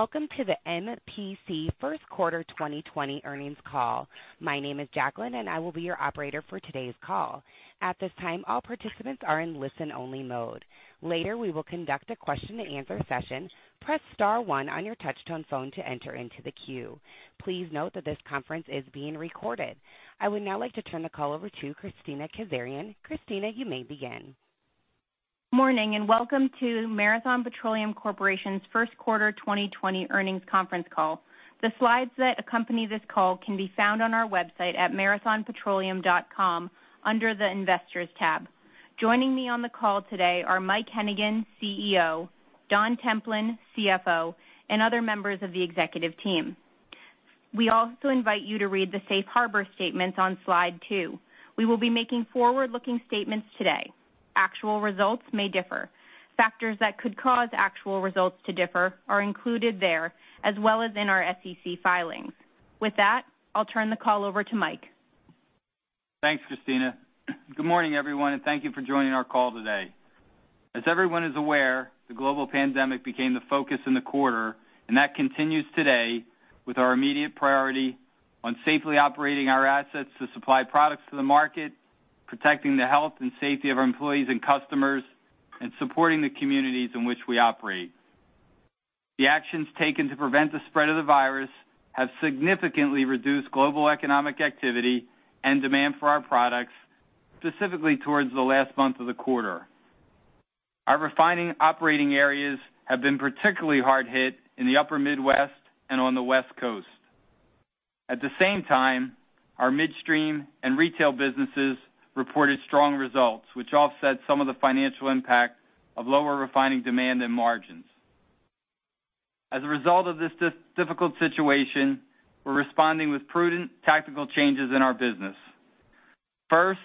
Welcome to the MPC first quarter 2020 earnings call. My name is Jacqueline, and I will be your operator for today's call. At this time, all participants are in listen-only mode. Later, we will conduct a question and answer session. Press star one on your touch-tone phone to enter into the queue. Please note that this conference is being recorded. I would now like to turn the call over to Kristina Kazarian. Kristina, you may begin. Welcome to Marathon Petroleum Corporation's first quarter 2020 earnings conference call. The slides that accompany this call can be found on our website at marathonpetroleum.com under the Investors tab. Joining me on the call today are Mike Hennigan, CEO, Don Templin, CFO, and other members of the executive team. We also invite you to read the safe harbor statements on slide two. We will be making forward-looking statements today. Actual results may differ. Factors that could cause actual results to differ are included there as well as in our SEC filings. With that, I'll turn the call over to Mike. Thanks, Kristina. Good morning, everyone, and thank you for joining our call today. As everyone is aware, the global pandemic became the focus in the quarter, and that continues today with our immediate priority on safely operating our assets to supply products to the market, protecting the health and safety of our employees and customers, and supporting the communities in which we operate. The actions taken to prevent the spread of the virus have significantly reduced global economic activity and demand for our products, specifically towards the last month of the quarter. Our refining operating areas have been particularly hard hit in the upper Midwest and on the West Coast. At the same time, our midstream and retail businesses reported strong results, which offset some of the financial impact of lower refining demand and margins. As a result of this difficult situation, we're responding with prudent tactical changes in our business. First,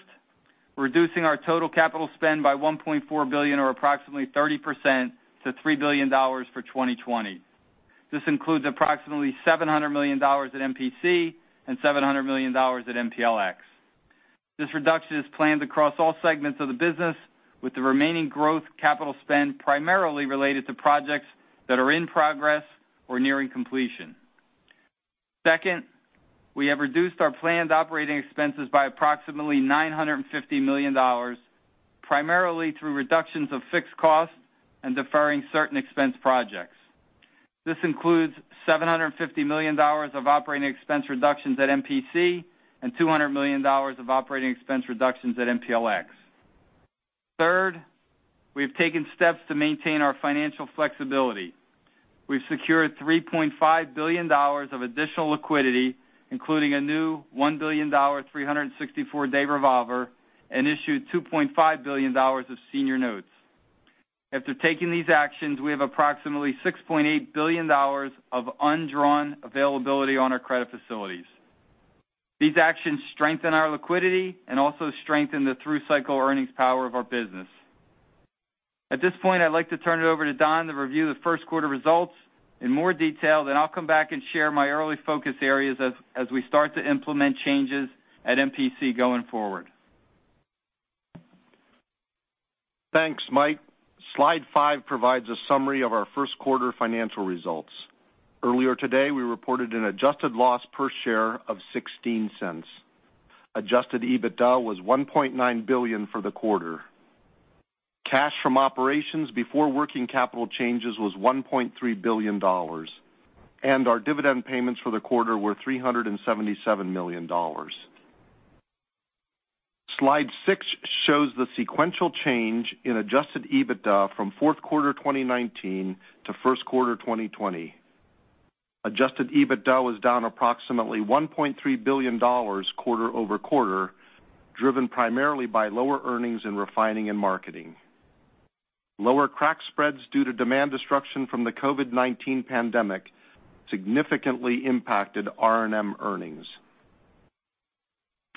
we're reducing our total capital spend by $1.4 billion or approximately 30% to $3 billion for 2020. This includes approximately $700 million at MPC and $700 million at MPLX. This reduction is planned across all segments of the business with the remaining growth capital spend primarily related to projects that are in progress or nearing completion. Second, we have reduced our planned operating expenses by approximately $950 million, primarily through reductions of fixed costs and deferring certain expense projects. This includes $750 million of operating expense reductions at MPC and $200 million of operating expense reductions at MPLX. Third, we've taken steps to maintain our financial flexibility. We've secured $3.5 billion of additional liquidity, including a new $1 billion 364-day revolver and issued $2.5 billion of senior notes. After taking these actions, we have approximately $6.8 billion of undrawn availability on our credit facilities. These actions strengthen our liquidity and also strengthen the through cycle earnings power of our business. At this point, I'd like to turn it over to Don to review the first quarter results in more detail, then I'll come back and share my early focus areas as we start to implement changes at MPC going forward. Thanks, Mike. Slide five provides a summary of our first quarter financial results. Earlier today, we reported an adjusted loss per share of $0.16. Adjusted EBITDA was $1.9 billion for the quarter. Our dividend payments for the quarter were $377 million. Slide six shows the sequential change in adjusted EBITDA from fourth quarter 2019 to first quarter 2020. Adjusted EBITDA was down approximately $1.3 billion quarter-over-quarter, driven primarily by lower earnings in refining and marketing. Lower crack spreads due to demand destruction from the COVID-19 pandemic significantly impacted R&M earnings.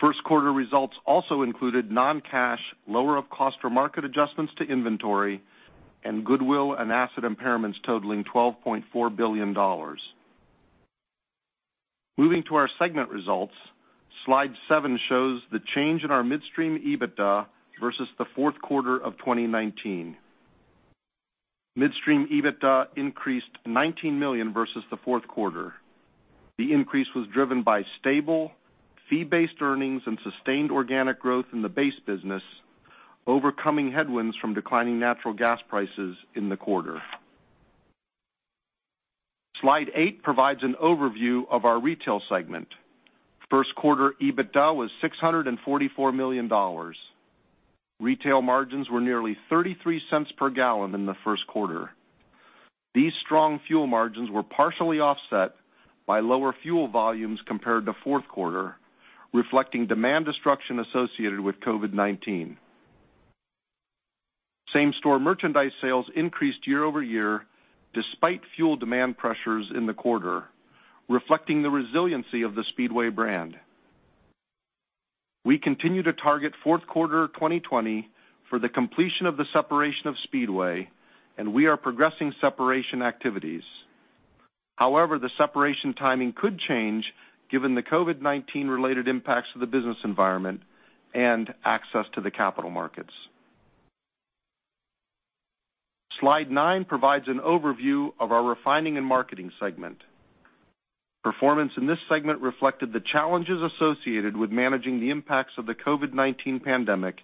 First quarter results also included non-cash lower of cost or market adjustments to inventory and goodwill and asset impairments totaling $12.4 billion. Moving to our segment results, slide seven shows the change in our midstream EBITDA versus the fourth quarter of 2019. Midstream EBITDA increased $19 million versus the fourth quarter. The increase was driven by stable fee-based earnings and sustained organic growth in the base business, overcoming headwinds from declining natural gas prices in the quarter. Slide eight provides an overview of our retail segment. First quarter EBITDA was $644 million. Retail margins were nearly $0.33 per gallon in the first quarter. These strong fuel margins were partially offset by lower fuel volumes compared to fourth quarter, reflecting demand destruction associated with COVID-19. Same-store merchandise sales increased year-over-year despite fuel demand pressures in the quarter, reflecting the resiliency of the Speedway brand. We continue to target fourth quarter 2020 for the completion of the separation of Speedway, and we are progressing separation activities. However, the separation timing could change given the COVID-19 related impacts to the business environment and access to the capital markets. Slide nine provides an overview of our refining and marketing segment. Performance in this segment reflected the challenges associated with managing the impacts of the COVID-19 pandemic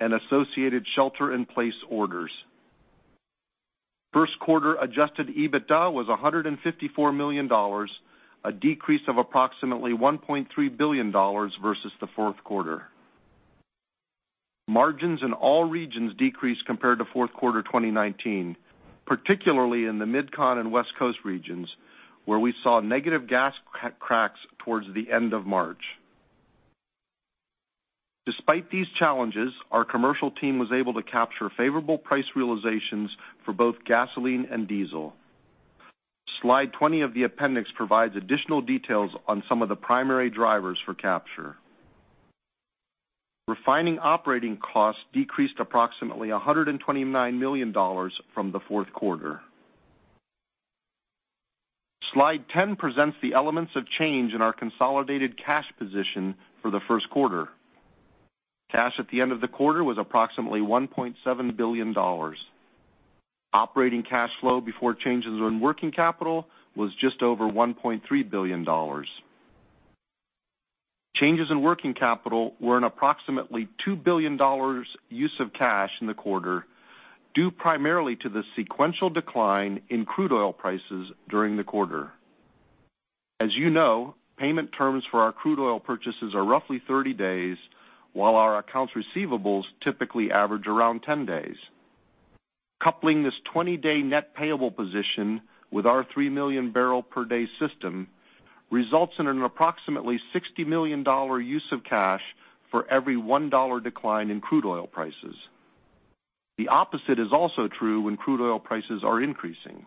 and associated shelter-in-place orders. First quarter adjusted EBITDA was $154 million, a decrease of approximately $1.3 billion versus the fourth quarter. Margins in all regions decreased compared to fourth quarter 2019, particularly in the MidCon and West Coast regions, where we saw negative gas cracks towards the end of March. Despite these challenges, our commercial team was able to capture favorable price realizations for both gasoline and diesel. Slide 20 of the appendix provides additional details on some of the primary drivers for capture. Refining operating costs decreased approximately $129 million from the fourth quarter. Slide 10 presents the elements of change in our consolidated cash position for the first quarter. Cash at the end of the quarter was approximately $1.7 billion. Operating cash flow before changes in working capital was just over $1.3 billion. Changes in working capital were an approximately $2 billion use of cash in the quarter, due primarily to the sequential decline in crude oil prices during the quarter. As you know, payment terms for our crude oil purchases are roughly 30 days, while our accounts receivables typically average around 10 days. Coupling this 20-day net payable position with our three-million-barrel-per-day system results in an approximately $60 million use of cash for every $1 decline in crude oil prices. The opposite is also true when crude oil prices are increasing.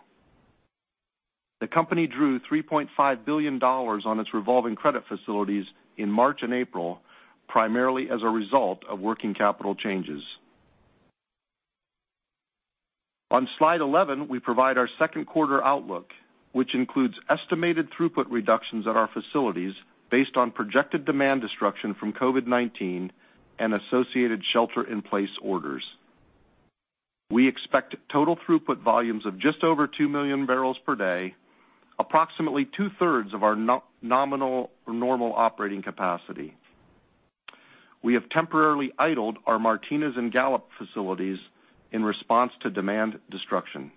The company drew $3.5 billion on its revolving credit facilities in March and April, primarily as a result of working capital changes. On slide 11, we provide our second quarter outlook, which includes estimated throughput reductions at our facilities based on projected demand destruction from COVID-19 and associated shelter-in-place orders. We expect total throughput volumes of just over 2 million barrels per day, approximately two-thirds of our nominal normal operating capacity. We have temporarily idled our Martinez and Gallup facilities in response to demand destruction.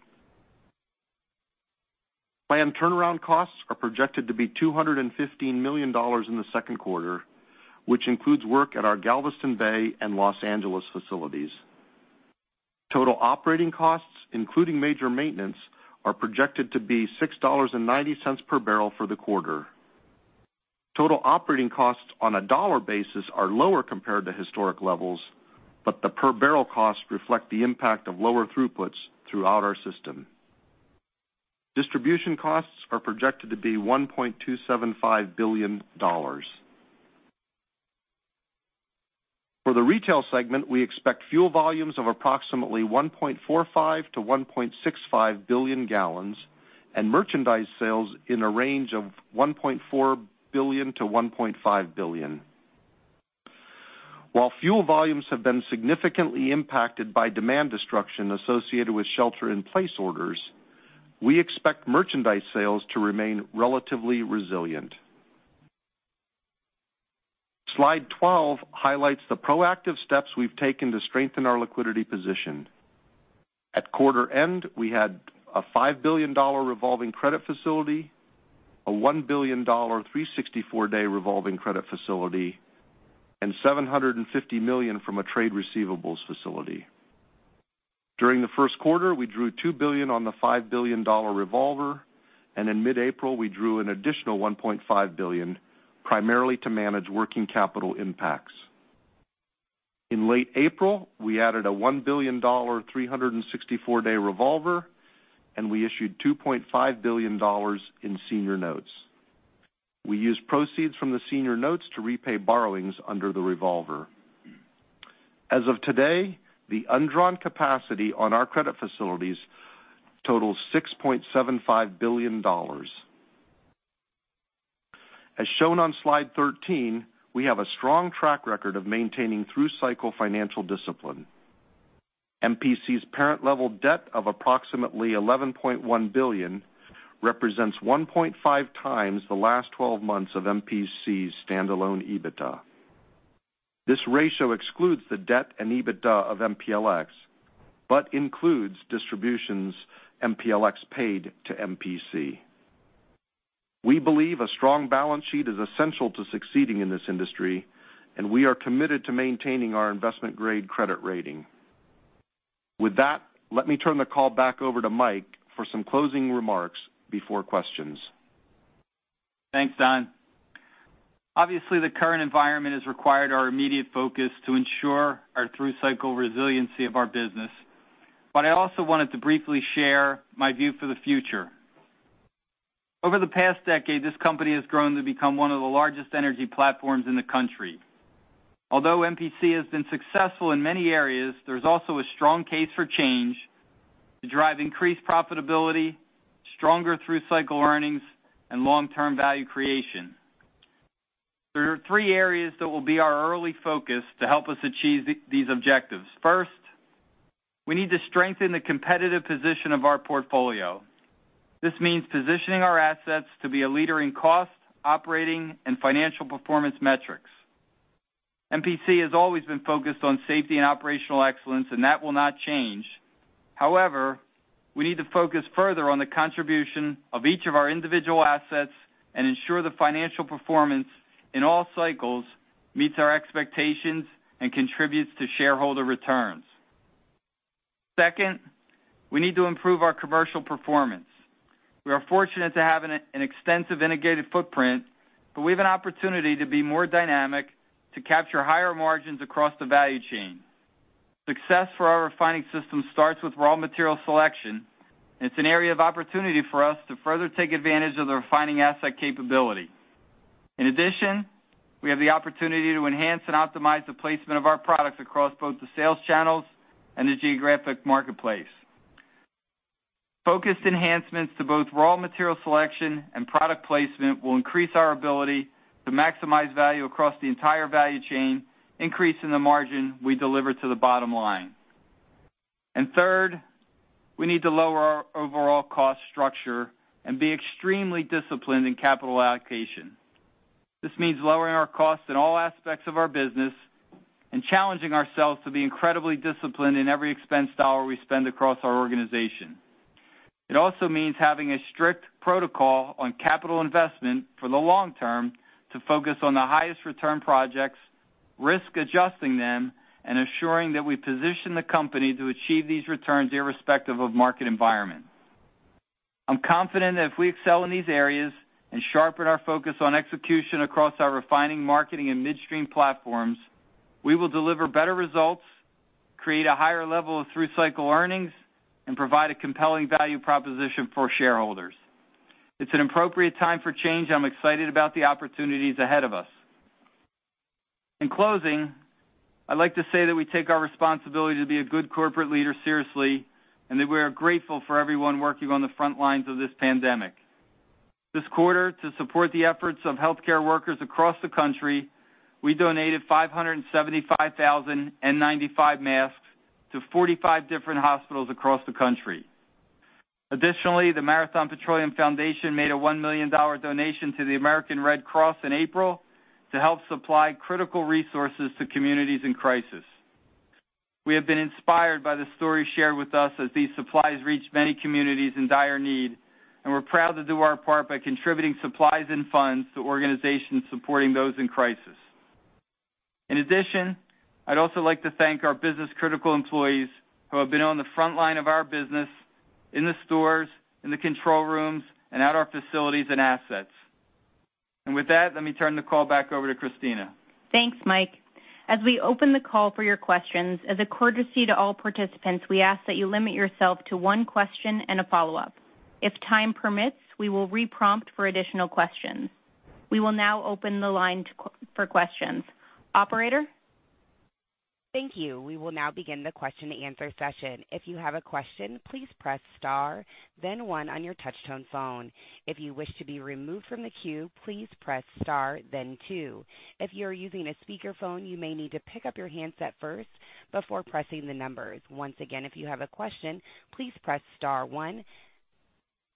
Planned turnaround costs are projected to be $215 million in the second quarter, which includes work at our Galveston Bay and Los Angeles facilities. Total operating costs, including major maintenance, are projected to be $6.90 per barrel for the quarter. Total operating costs on a dollar basis are lower compared to historic levels, but the per barrel costs reflect the impact of lower throughputs throughout our system. Distribution costs are projected to be $1.275 billion. For the retail segment, we expect fuel volumes of approximately 1.45 billion-1.65 billion gallons and merchandise sales in a range of $1.4 billion-$1.5 billion. While fuel volumes have been significantly impacted by demand destruction associated with shelter-in-place orders, we expect merchandise sales to remain relatively resilient. Slide 12 highlights the proactive steps we've taken to strengthen our liquidity position. At quarter end, we had a $5 billion revolving credit facility, a $1 billion 364-day revolving credit facility, and $750 million from a trade receivables facility. During the first quarter, we drew $2 billion on the $5 billion revolver, and in mid-April, we drew an additional $1.5 billion, primarily to manage working capital impacts. In late April, we added a $1 billion, 364-day revolver, and we issued $2.5 billion in senior notes. We used proceeds from the senior notes to repay borrowings under the revolver. As of today, the undrawn capacity on our credit facilities totals $6.75 billion. As shown on slide 13, we have a strong track record of maintaining through-cycle financial discipline. MPC's parent level debt of approximately $11.1 billion represents 1.5 times the last 12 months of MPC's standalone EBITDA. This ratio excludes the debt and EBITDA of MPLX but includes distributions MPLX paid to MPC. We believe a strong balance sheet is essential to succeeding in this industry, and we are committed to maintaining our investment-grade credit rating. With that, let me turn the call back over to Mike for some closing remarks before questions. Thanks, Don. Obviously, the current environment has required our immediate focus to ensure our through-cycle resiliency of our business. I also wanted to briefly share my view for the future. Over the past decade, this company has grown to become one of the largest energy platforms in the country. Although MPC has been successful in many areas, there's also a strong case for change to drive increased profitability, stronger through-cycle earnings, and long-term value creation. There are three areas that will be our early focus to help us achieve these objectives. First, we need to strengthen the competitive position of our portfolio. This means positioning our assets to be a leader in cost, operating, and financial performance metrics. MPC has always been focused on safety and operational excellence, and that will not change. We need to focus further on the contribution of each of our individual assets and ensure the financial performance in all cycles meets our expectations and contributes to shareholder returns. Second, we need to improve our commercial performance. We are fortunate to have an extensive integrated footprint. We have an opportunity to be more dynamic to capture higher margins across the value chain. Success for our refining system starts with raw material selection. It's an area of opportunity for us to further take advantage of the refining asset capability. In addition, we have the opportunity to enhance and optimize the placement of our products across both the sales channels and the geographic marketplace. Focused enhancements to both raw material selection and product placement will increase our ability to maximize value across the entire value chain, increasing the margin we deliver to the bottom line. Third, we need to lower our overall cost structure and be extremely disciplined in capital allocation. This means lowering our costs in all aspects of our business and challenging ourselves to be incredibly disciplined in every expense dollar we spend across our organization. It also means having a strict protocol on capital investment for the long term to focus on the highest return projects, risk adjusting them, and ensuring that we position the company to achieve these returns irrespective of market environment. I'm confident that if we excel in these areas and sharpen our focus on execution across our refining, marketing, and midstream platforms, we will deliver better results, create a higher level of through-cycle earnings, and provide a compelling value proposition for shareholders. It's an appropriate time for change, and I'm excited about the opportunities ahead of us. In closing, I'd like to say that we take our responsibility to be a good corporate leader seriously, and that we are grateful for everyone working on the front lines of this pandemic. This quarter, to support the efforts of healthcare workers across the country, we donated 575,000 N95 masks to 45 different hospitals across the country. Additionally, the Marathon Petroleum Foundation made a $1 million donation to the American Red Cross in April to help supply critical resources to communities in crisis. We have been inspired by the stories shared with us as these supplies reach many communities in dire need, and we're proud to do our part by contributing supplies and funds to organizations supporting those in crisis. In addition, I'd also like to thank our business-critical employees who have been on the front line of our business, in the stores, in the control rooms, and at our facilities and assets. With that, let me turn the call back over to Kristina. Thanks, Mike. As we open the call for your questions, as a courtesy to all participants, we ask that you limit yourself to one question and a follow-up. If time permits, we will re-prompt for additional questions. We will now open the line for questions. Operator? Thank you. We will now begin the question and answer session. If you have a question, please press star then one on your touch tone phone. If you wish to be removed from the queue, please press star then two. If you are using a speakerphone, you may need to pick up your handset first before pressing the numbers. Once again, if you have a question, please press star one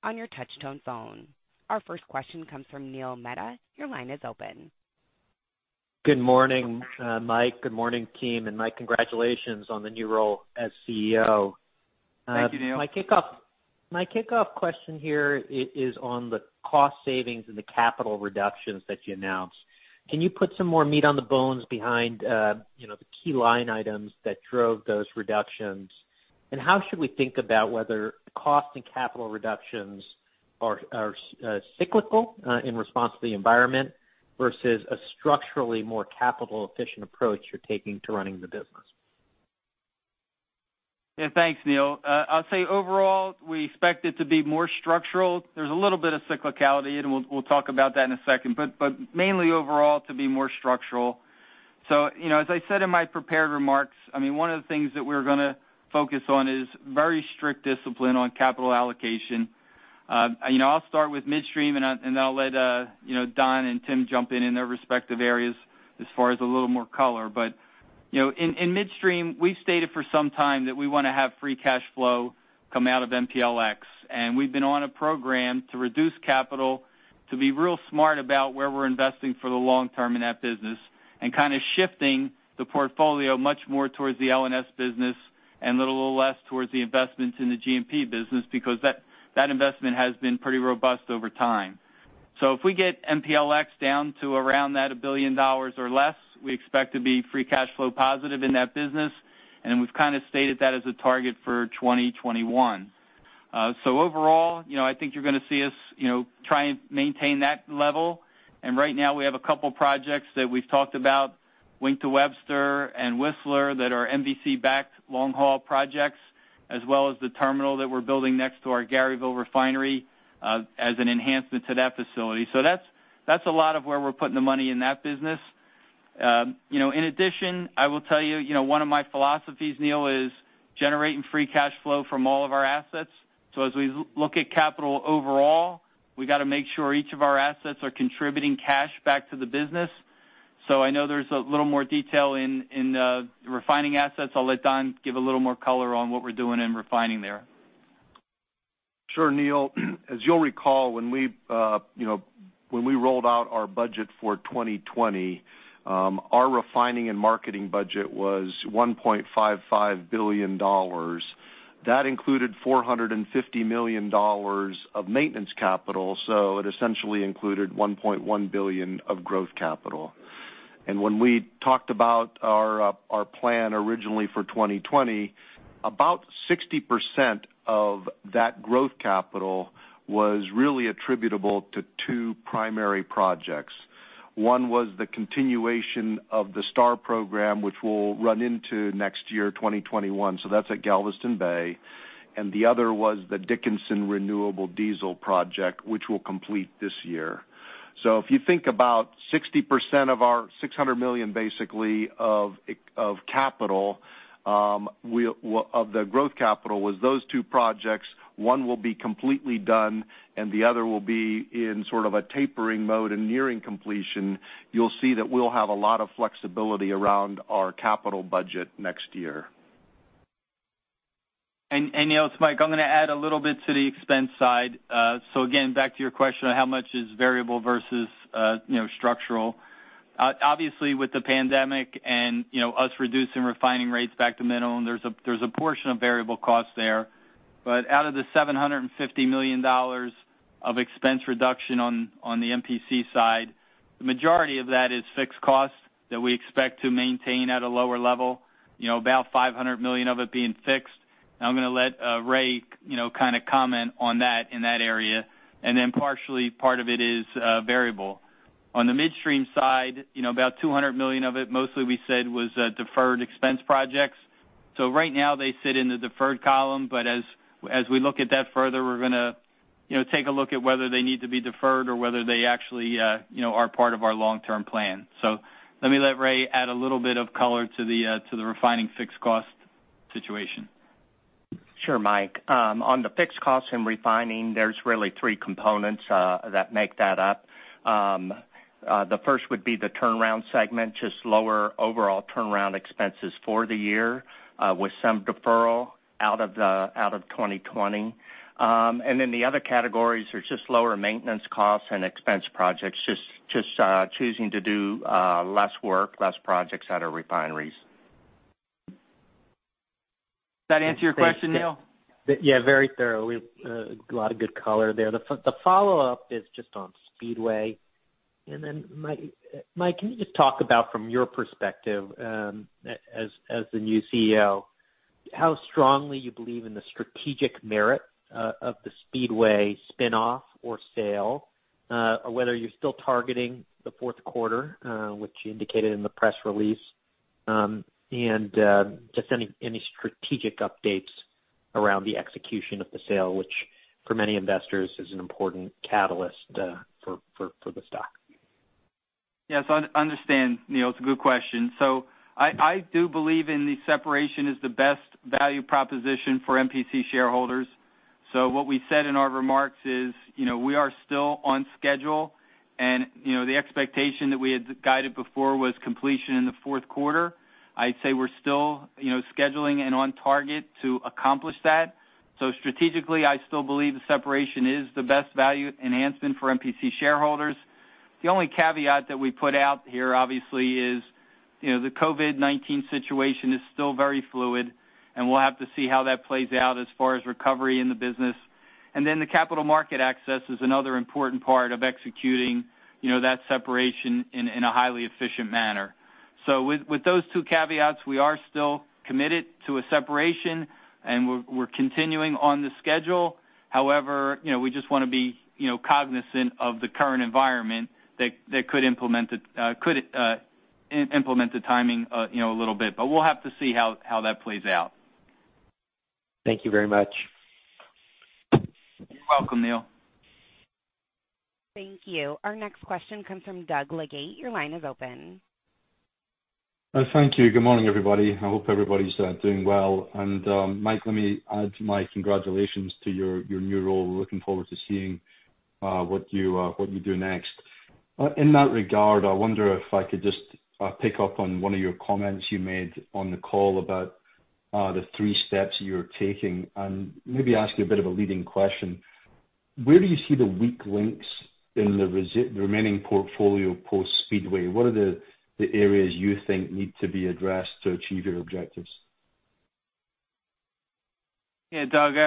on your touch tone phone. Our first question comes from Neil Mehta. Your line is open. Good morning, Mike. Good morning, team. Mike, congratulations on the new role as CEO. Thank you, Neil. My kickoff question here is on the cost savings and the capital reductions that you announced. Can you put some more meat on the bones behind the key line items that drove those reductions? How should we think about whether cost and capital reductions are cyclical in response to the environment versus a structurally more capital-efficient approach you're taking to running the business? Yeah. Thanks, Neil. I'll say overall, we expect it to be more structural. There's a little bit of cyclicality, and we'll talk about that in a second, but mainly overall to be more structural. As I said in my prepared remarks, one of the things that we're going to focus on is very strict discipline on capital allocation. I'll start with midstream, and I'll let Don and Tim jump in in their respective areas as far as a little more color. In midstream, we've stated for some time that we want to have free cash flow come out of MPLX, and we've been on a program to reduce capital to be real smart about where we're investing for the long term in that business and kind of shifting the portfolio much more towards the L&S business and a little less towards the investments in the G&P business because that investment has been pretty robust over time. If we get MPLX down to around that $1 billion or less, we expect to be free cash flow positive in that business, and we've kind of stated that as a target for 2021. Overall, I think you're going to see us try and maintain that level. Right now we have a couple projects that we've talked about, Wink to Webster and Whistler, that are MPC-backed long-haul projects. As well as the terminal that we're building next to our Garyville refinery as an enhancement to that facility. That's a lot of where we're putting the money in that business. In addition, I will tell you, one of my philosophies, Neil, is generating free cash flow from all of our assets. As we look at capital overall, we got to make sure each of our assets are contributing cash back to the business. I know there's a little more detail in the refining assets. I'll let Don give a little more color on what we're doing in refining there. Sure, Neil. As you'll recall, when we rolled out our budget for 2020, our refining and marketing budget was $1.55 billion. That included $450 million of maintenance capital, so it essentially included $1.1 billion of growth capital. When we talked about our plan originally for 2020, about 60% of that growth capital was really attributable to two primary projects. One was the continuation of the STAR program, which will run into next year, 2021. That's at Galveston Bay. The other was the Dickinson Renewable Diesel project, which we'll complete this year. If you think about 60% of our $600 million, basically, of the growth capital, was those two projects. One will be completely done, and the other will be in sort of a tapering mode and nearing completion. You'll see that we'll have a lot of flexibility around our capital budget next year. Neil, it's Mike, I'm going to add a little bit to the expense side. Again, back to your question on how much is variable versus structural. Obviously, with the pandemic and us reducing refining rates back to minimum, there's a portion of variable cost there. Out of the $750 million of expense reduction on the MPC side, the majority of that is fixed cost that we expect to maintain at a lower level, about $500 million of it being fixed. I'm going to let Ray kind of comment on that in that area. Then partially, part of it is variable. On the midstream side, about $200 million of it, mostly we said was deferred expense projects. Right now they sit in the deferred column, but as we look at that further, we're going to take a look at whether they need to be deferred or whether they actually are part of our long-term plan. Let me let Ray add a little bit of color to the refining fixed cost situation. Sure, Mike. On the fixed cost in refining, there's really three components that make that up. The first would be the turnaround segment, just lower overall turnaround expenses for the year, with some deferral out of 2020. The other categories are just lower maintenance costs and expense projects, just choosing to do less work, less projects at our refineries. Does that answer your question, Neil? Yeah, very thorough. A lot of good color there. The follow-up is just on Speedway. Mike, can you just talk about, from your perspective as the new CEO, how strongly you believe in the strategic merit of the Speedway spinoff or sale? Whether you're still targeting the fourth quarter, which you indicated in the press release, and just any strategic updates around the execution of the sale, which for many investors is an important catalyst for the stock. Yes, I understand, Neil. It's a good question. I do believe in the separation as the best value proposition for MPC shareholders. What we said in our remarks is, we are still on schedule, and the expectation that we had guided before was completion in the fourth quarter. I'd say we're still scheduling and on target to accomplish that. Strategically, I still believe the separation is the best value enhancement for MPC shareholders. The only caveat that we put out here, obviously, is the COVID-19 situation is still very fluid, and we'll have to see how that plays out as far as recovery in the business. The capital market access is another important part of executing that separation in a highly efficient manner. With those two caveats, we are still committed to a separation and we're continuing on the schedule. We just want to be cognizant of the current environment that could impact the timing a little bit. We'll have to see how that plays out. Thank you very much. You're welcome, Neil. Thank you. Our next question comes from Doug Leggate. Your line is open. Thank you. Good morning, everybody. I hope everybody's doing well. Mike, let me add my congratulations to your new role. Looking forward to seeing what you do next. In that regard, I wonder if I could just pick up on one of your comments you made on the call about the three steps you're taking, and maybe ask you a bit of a leading question. Where do you see the weak links in the remaining portfolio post-Speedway? What are the areas you think need to be addressed to achieve your objectives? Yeah, Doug,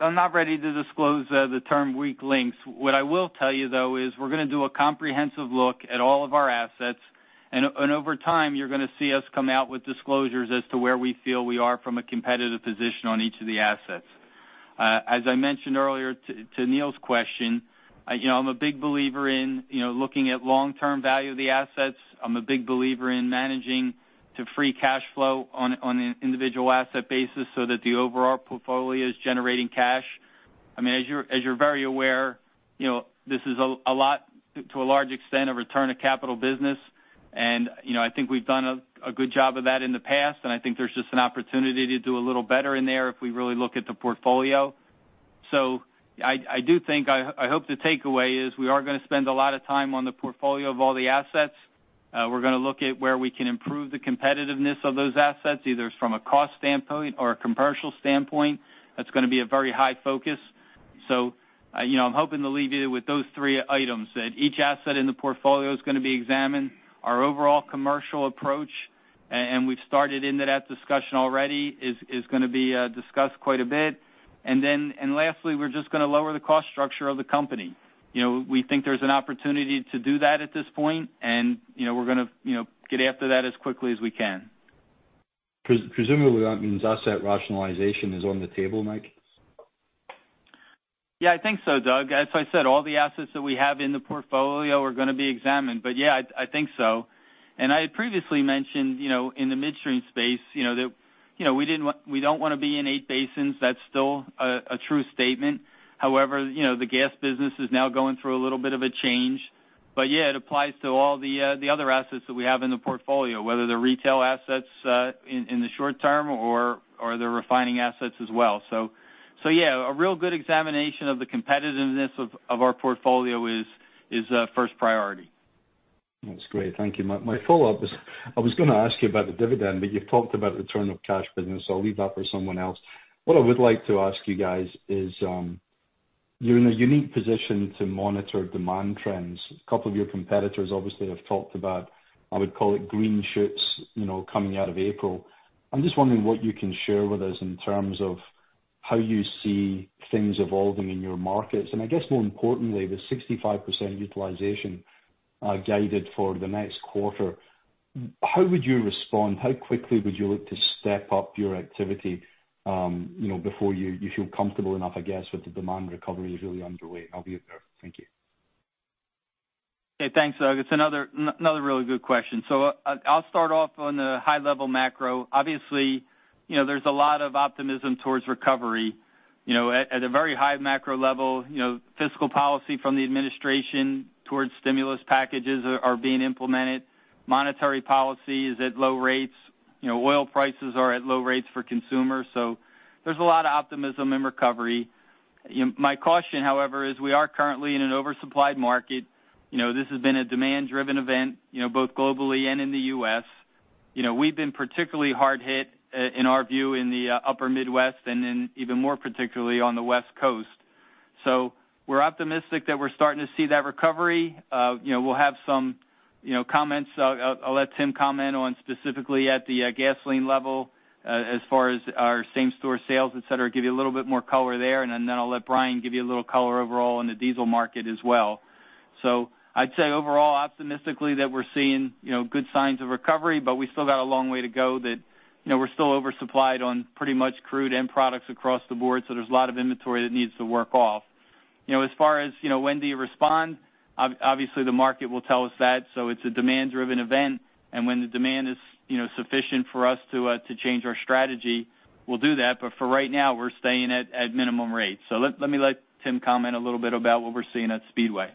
I'm not ready to disclose the term weak links. What I will tell you, though, is we're going to do a comprehensive look at all of our assets, and over time, you're going to see us come out with disclosures as to where we feel we are from a competitive position on each of the assets. As I mentioned earlier to Neil's question, I'm a big believer in looking at long-term value of the assets. I'm a big believer in managing to free cash flow on an individual asset basis so that the overall portfolio is generating cash. As you're very aware, this is, to a large extent, a return of capital business, and I think we've done a good job of that in the past, and I think there's just an opportunity to do a little better in there if we really look at the portfolio. I hope the takeaway is we are going to spend a lot of time on the portfolio of all the assets. We're going to look at where we can improve the competitiveness of those assets, either from a cost standpoint or a commercial standpoint. That's going to be a very high focus. I'm hoping to leave you with those three items. That each asset in the portfolio is going to be examined. Our overall commercial approach, and we've started into that discussion already, is going to be discussed quite a bit. Lastly, we're just going to lower the cost structure of the company. We think there's an opportunity to do that at this point, and we're going to get after that as quickly as we can. Presumably that means asset rationalization is on the table, Mike? Yeah, I think so, Doug. As I said, all the assets that we have in the portfolio are going to be examined. Yeah, I think so. I had previously mentioned, in the midstream space, that we don't want to be in 8 basins. That's still a true statement. However, the gas business is now going through a little bit of a change. Yeah, it applies to all the other assets that we have in the portfolio, whether they're retail assets in the short term or the refining assets as well. Yeah, a real good examination of the competitiveness of our portfolio is first priority. That's great. Thank you, Mike. My follow-up is, I was going to ask you about the dividend. You've talked about return of cash business, so I'll leave that for someone else. What I would like to ask you guys is, you're in a unique position to monitor demand trends. A couple of your competitors obviously have talked about, I would call it green shoots, coming out of April. I'm just wondering what you can share with us in terms of how you see things evolving in your markets, and I guess more importantly, the 65% utilization guided for the next quarter. How would you respond? How quickly would you look to step up your activity before you feel comfortable enough, I guess, with the demand recovery is really underway? I'll be fair. Thank you. Okay, thanks, Doug. It's another really good question. I'll start off on the high-level macro. Obviously, there's a lot of optimism towards recovery. At a very high macro level, fiscal policy from the administration towards stimulus packages are being implemented. Monetary policy is at low rates. Oil prices are at low rates for consumers. There's a lot of optimism in recovery. My caution, however, is we are currently in an oversupplied market. This has been a demand-driven event, both globally and in the U.S. We've been particularly hard hit, in our view, in the upper Midwest, and then even more particularly on the West Coast. We're optimistic that we're starting to see that recovery. We'll have some comments. I'll let Tim comment on specifically at the gasoline level as far as our same store sales, et cetera, give you a little bit more color there, and then I'll let Brian give you a little color overall on the diesel market as well. I'd say overall, optimistically, that we're seeing good signs of recovery, but we still got a long way to go that we're still oversupplied on pretty much crude end products across the board, so there's a lot of inventory that needs to work off. As far as when do you respond, obviously, the market will tell us that, so it's a demand-driven event, and when the demand is sufficient for us to change our strategy, we'll do that. For right now, we're staying at minimum rates. Let me let Tim comment a little bit about what we're seeing at Speedway.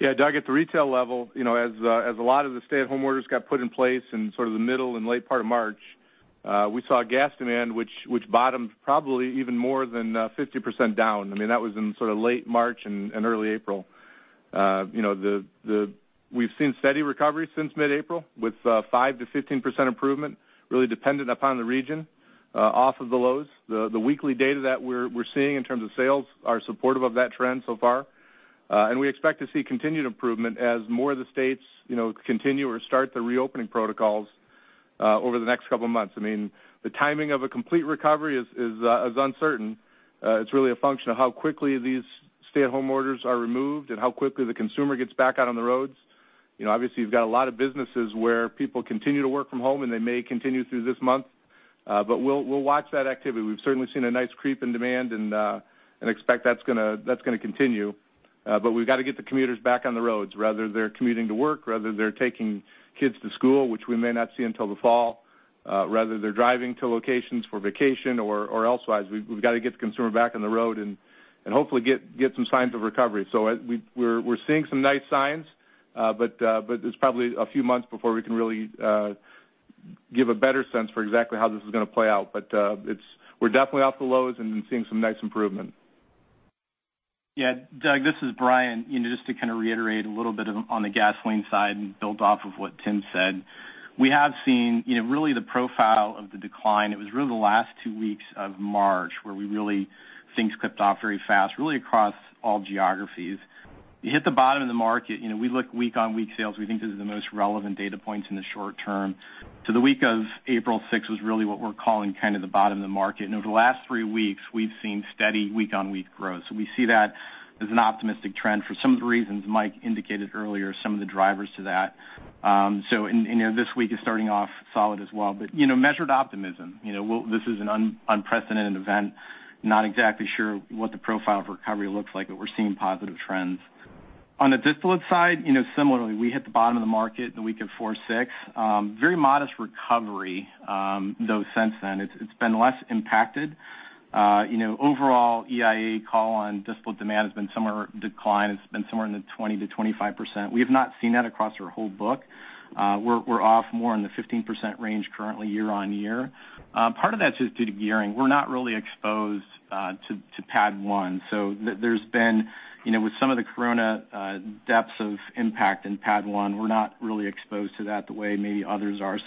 Yeah, Doug, at the retail level, as a lot of the stay-at-home orders got put in place in sort of the middle and late part of March, we saw gas demand, which bottomed probably even more than 50% down. That was in late March and early April. We've seen steady recovery since mid-April, with 5%-15% improvement, really dependent upon the region, off of the lows. The weekly data that we're seeing in terms of sales are supportive of that trend so far. We expect to see continued improvement as more of the states continue or start the reopening protocols over the next couple of months. The timing of a complete recovery is uncertain. It's really a function of how quickly these stay-at-home orders are removed and how quickly the consumer gets back out on the roads. Obviously, you've got a lot of businesses where people continue to work from home, and they may continue through this month. We'll watch that activity. We've certainly seen a nice creep in demand and expect that's going to continue. We've got to get the commuters back on the roads, whether they're commuting to work, whether they're taking kids to school, which we may not see until the fall. They're driving to locations for vacation or elsewise. We've got to get the consumer back on the road and hopefully get some signs of recovery. We're seeing some nice signs. It's probably a few months before we can really give a better sense for exactly how this is going to play out. We're definitely off the lows and seeing some nice improvement. Yeah, Doug, this is Brian. Just to kind of reiterate a little bit on the gasoline side and build off of what Tim said. We have seen really the profile of the decline. It was really the last two weeks of March where things clipped off very fast, really across all geographies. You hit the bottom of the market. We look week-on-week sales. We think this is the most relevant data points in the short term. To the week of April 6th was really what we're calling kind of the bottom of the market. Over the last three weeks, we've seen steady week-on-week growth. We see that as an optimistic trend for some of the reasons Mike indicated earlier, some of the drivers to that. This week is starting off solid as well, but measured optimism. This is an unprecedented event, not exactly sure what the profile of recovery looks like, but we're seeing positive trends. On the distillate side, similarly, we hit the bottom of the market in the week of four to six. Very modest recovery, though, since then. It's been less impacted. Overall, EIA call on distillate demand has been somewhere in the 20%-25%. We have not seen that across our whole book. We're off more in the 15% range currently year-over-year. Part of that's just due to gearing. We're not really exposed to PADD 1, so there's been, with some of the COVID-19 depths of impact in PADD 1, we're not really exposed to that the way maybe others are.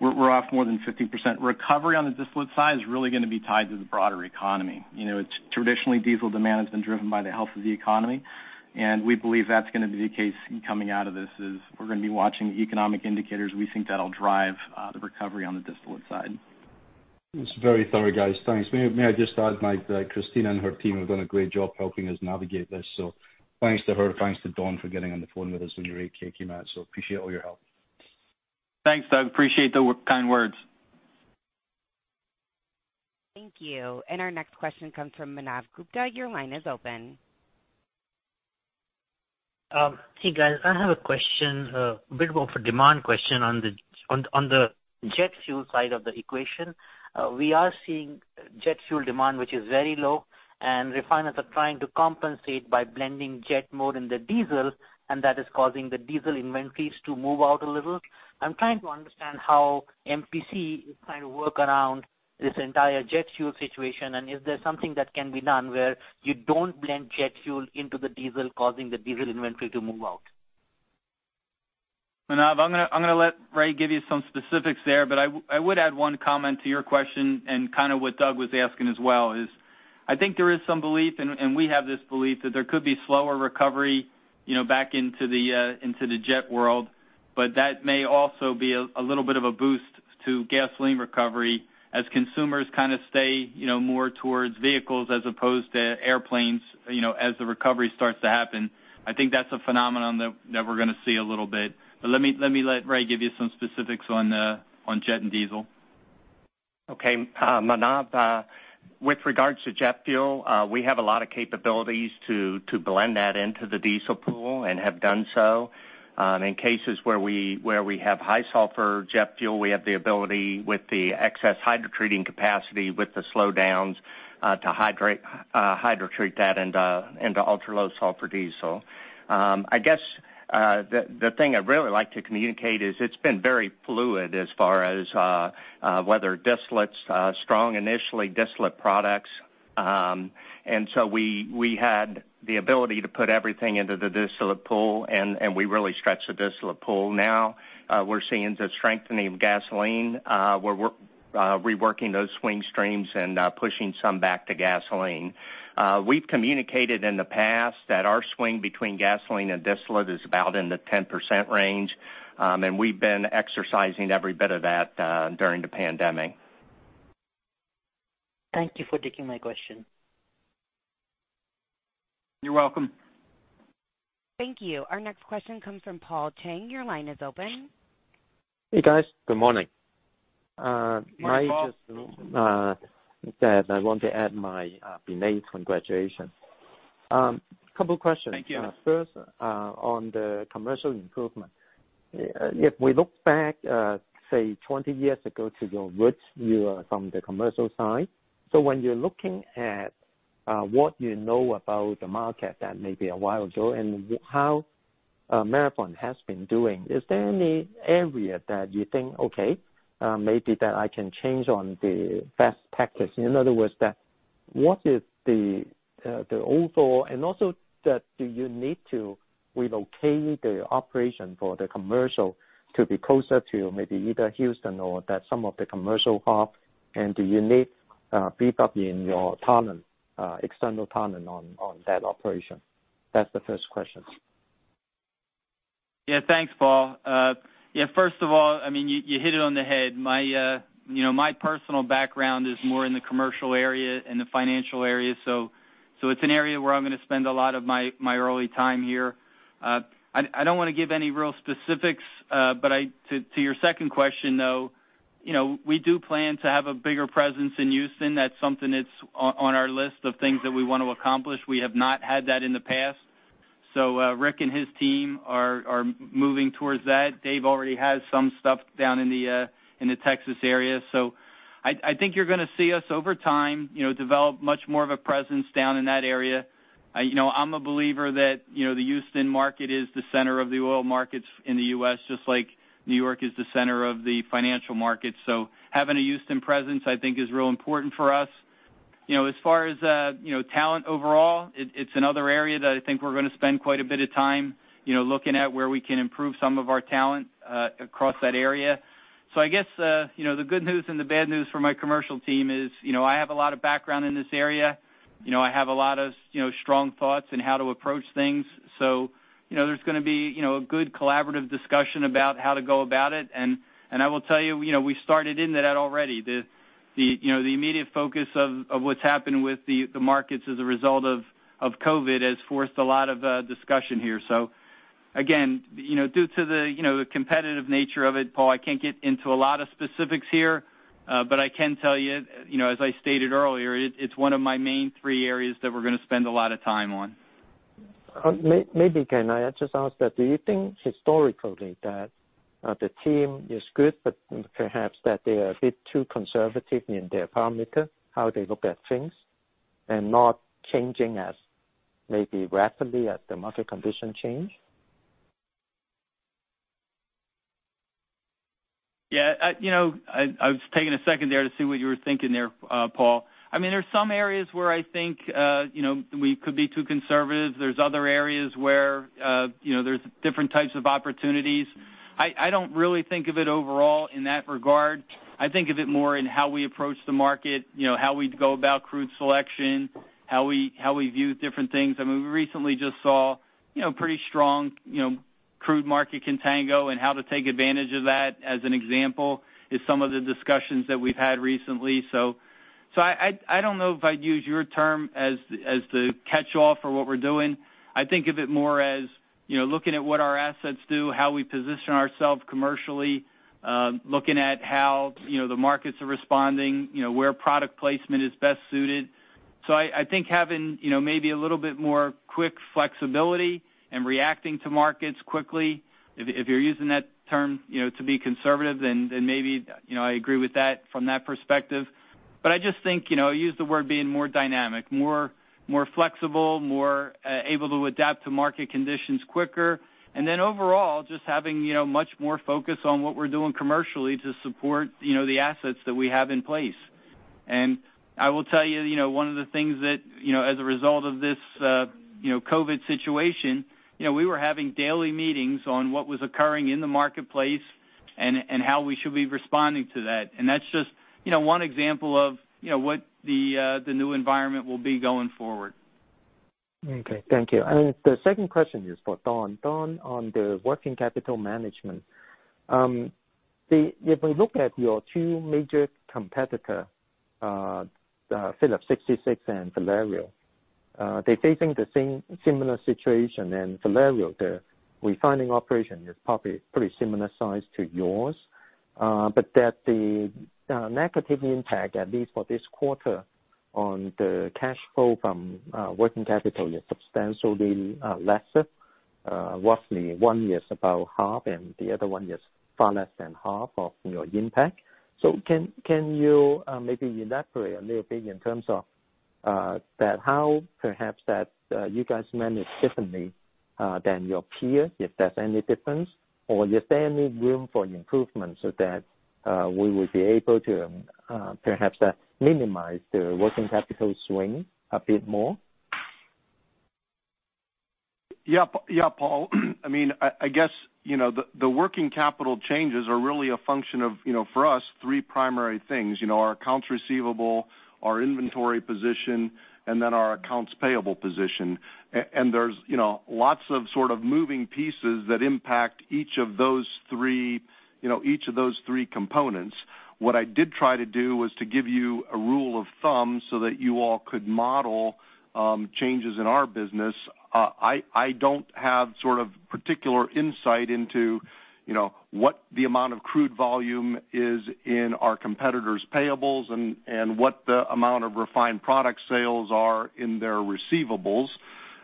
We're off more than 15%. Recovery on the distillate side is really going to be tied to the broader economy. Traditionally, diesel demand has been driven by the health of the economy, and we believe that's going to be the case coming out of this, is we're going to be watching economic indicators. We think that'll drive the recovery on the distillate side. That's very thorough, guys. Thanks. May I just add, Mike, that Kristina and her team have done a great job helping us navigate this, so thanks to her, thanks to Don for getting on the phone with us when you were at KKMAT, so appreciate all your help. Thanks, Doug. Appreciate the kind words. Thank you. Our next question comes from Manav Gupta. Your line is open. Hey, guys. I have a question, a bit more of a demand question on the jet fuel side of the equation. We are seeing jet fuel demand, which is very low, and refiners are trying to compensate by blending jet more in the diesel, and that is causing the diesel inventories to move out a little. I'm trying to understand how MPC is trying to work around this entire jet fuel situation, and is there something that can be done where you don't blend jet fuel into the diesel, causing the diesel inventory to move out? Manav, I'm going to let Ray give you some specifics there, but I would add one comment to your question, and kind of what Doug was asking as well, is I think there is some belief, and we have this belief, that there could be slower recovery back into the jet world. That may also be a little bit of a boost to gasoline recovery as consumers kind of stay more towards vehicles as opposed to airplanes, as the recovery starts to happen. I think that's a phenomenon that we're going to see a little bit. Let me let Ray give you some specifics on jet and diesel. Okay. Manav, with regards to jet fuel, we have a lot of capabilities to blend that into the diesel pool and have done so. In cases where we have high sulfur jet fuel, we have the ability with the excess hydrotreating capacity with the slowdowns, to hydrotreat that into ultra-low sulfur diesel. I guess, the thing I'd really like to communicate is it's been very fluid as far as whether distillates strong initially, distillate products. So we had the ability to put everything into the distillate pool, and we really stretched the distillate pool. Now we're seeing the strengthening of gasoline. We're reworking those swing streams and pushing some back to gasoline. We've communicated in the past that our swing between gasoline and distillate is about in the 10% range. We've been exercising every bit of that during the pandemic. Thank you for taking my question. You're welcome. Thank you. Our next question comes from Paul Cheng. Your line is open. Hey, guys. Good morning. Good morning, Paul. Mike, just that I want to add my belated congratulations. Couple questions. Thank you. First, on the commercial improvement. If we look back, say 20 years ago to your roots, you are from the commercial side. When you're looking at what you know about the market that may be a while ago and how Marathon has been doing, is there any area that you think, okay, maybe that I can change on the best practice? In other words, what is the overall-- and also that do you need to relocate the operation for the commercial to be closer to maybe either Houston or that some of the commercial hub, and do you need beef up in your talent, external talent on that operation? That's the first question. Thanks, Paul. First of all, you hit it on the head. My personal background is more in the commercial area and the financial area. It's an area where I'm going to spend a lot of my early time here. I don't want to give any real specifics, but to your second question, though, we do plan to have a bigger presence in Houston. That's something that's on our list of things that we want to accomplish. We have not had that in the past. Rick and his team are moving towards that. Dave already has some stuff down in the Texas area. I think you're going to see us over time, develop much more of a presence down in that area. I'm a believer that the Houston market is the center of the oil markets in the U.S., just like New York is the center of the financial markets. Having a Houston presence, I think, is real important for us. As far as talent overall, it's another area that I think we're going to spend quite a bit of time looking at where we can improve some of our talent across that area. I guess, the good news and the bad news for my commercial team is I have a lot of background in this area. I have a lot of strong thoughts on how to approach things. There's going to be a good collaborative discussion about how to go about it, and I will tell you, we started in that already. The immediate focus of what's happened with the markets as a result of COVID has forced a lot of discussion here. Again, due to the competitive nature of it, Paul, I can't get into a lot of specifics here. I can tell you, as I stated earlier, it's one of my main three areas that we're going to spend a lot of time on. Maybe, can I just ask that, do you think historically that the team is good, but perhaps that they are a bit too conservative in their parameter, how they look at things, and not changing as maybe rapidly as the market condition change? I was taking a second there to see what you were thinking there, Paul. There's some areas where I think we could be too conservative. There's other areas where there's different types of opportunities. I don't really think of it overall in that regard. I think of it more in how we approach the market, how we go about crude selection, how we view different things. We recently just saw pretty strong crude market contango, and how to take advantage of that, as an example, is some of the discussions that we've had recently. I don't know if I'd use your term as the catchall for what we're doing. I think of it more as looking at what our assets do, how we position ourselves commercially, looking at how the markets are responding, where product placement is best suited. I think having maybe a little bit more quick flexibility and reacting to markets quickly, if you're using that term to be conservative, then maybe I agree with that from that perspective. I just think, use the word being more dynamic, more flexible, more able to adapt to market conditions quicker. Overall, just having much more focus on what we're doing commercially to support the assets that we have in place. I will tell you, one of the things that as a result of this COVID situation, we were having daily meetings on what was occurring in the marketplace and how we should be responding to that. That's just one example of what the new environment will be going forward. Okay. Thank you. The second question is for Don. Don, on the working capital management. If we look at your two major competitor, Phillips 66 and Valero, they're facing the similar situation. Valero, the refining operation is probably pretty similar size to yours. That the negative impact, at least for this quarter, on the cash flow from working capital is substantially lesser. Roughly one is about half, and the other one is far less than half of your impact. Can you maybe elaborate a little bit in terms of that how perhaps that you guys manage differently than your peers, if there's any difference? Is there any room for improvement so that we will be able to perhaps minimize the working capital swing a bit more? Yeah, Paul. I guess the working capital changes are really a function of, for us, three primary things. Our accounts receivable, our inventory position, and then our accounts payable position. There's lots of sort of moving pieces that impact each of those 3 components. What I did try to do was to give you a rule of thumb so that you all could model changes in our business. I don't have sort of particular insight into what the amount of crude volume is in our competitors' payables and what the amount of refined product sales are in their receivables.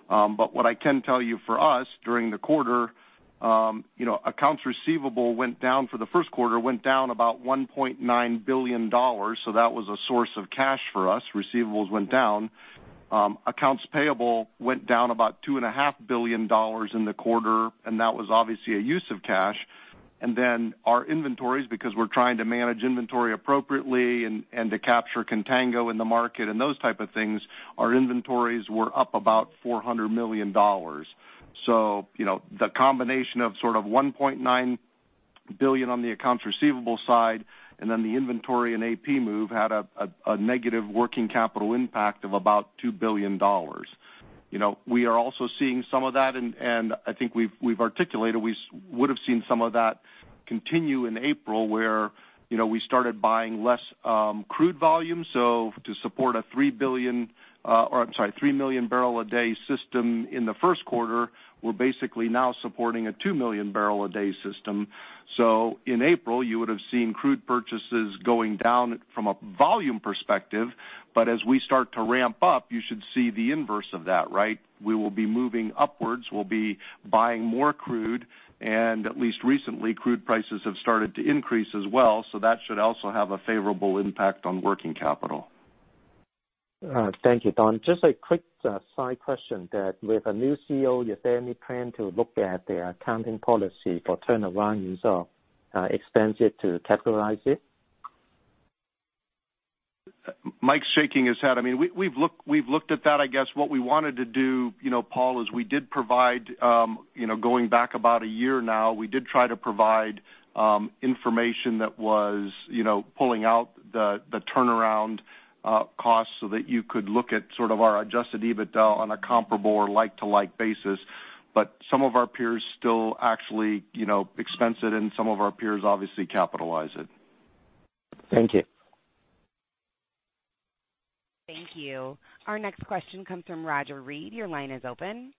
What I can tell you for us during the quarter, accounts receivable for the first quarter went down about $1.9 billion, so that was a source of cash for us. Receivables went down. Accounts payable went down about $2.5 billion in the quarter. That was obviously a use of cash. Our inventories, because we're trying to manage inventory appropriately and to capture contango in the market and those type of things, our inventories were up about $400 million. The combination of sort of $1.9 billion on the accounts receivable side and then the inventory and AP move had a negative working capital impact of about $2 billion. We are also seeing some of that, and I think we've articulated we would've seen some of that continue in April, where we started buying less crude volume. To support a three million barrel a day system in the first quarter, we're basically now supporting a two million barrel a day system. In April, you would've seen crude purchases going down from a volume perspective. As we start to ramp up, you should see the inverse of that, right? We will be moving upwards. We'll be buying more crude, and at least recently, crude prices have started to increase as well. That should also have a favorable impact on working capital. Thank you, Don. Just a quick side question that with a new CEO, is there any plan to look at the accounting policy for turnarounds or expense it to capitalize it? Mike's shaking his head. We've looked at that. I guess what we wanted to do, Paul, is we did provide, going back about a year now, we did try to provide information that was pulling out the turnaround cost so that you could look at sort of our adjusted EBITDA on a comparable or like-to-like basis. Some of our peers still actually expense it, and some of our peers obviously capitalize it. Thank you. Thank you. Our next question comes from Roger Read. Your line is open.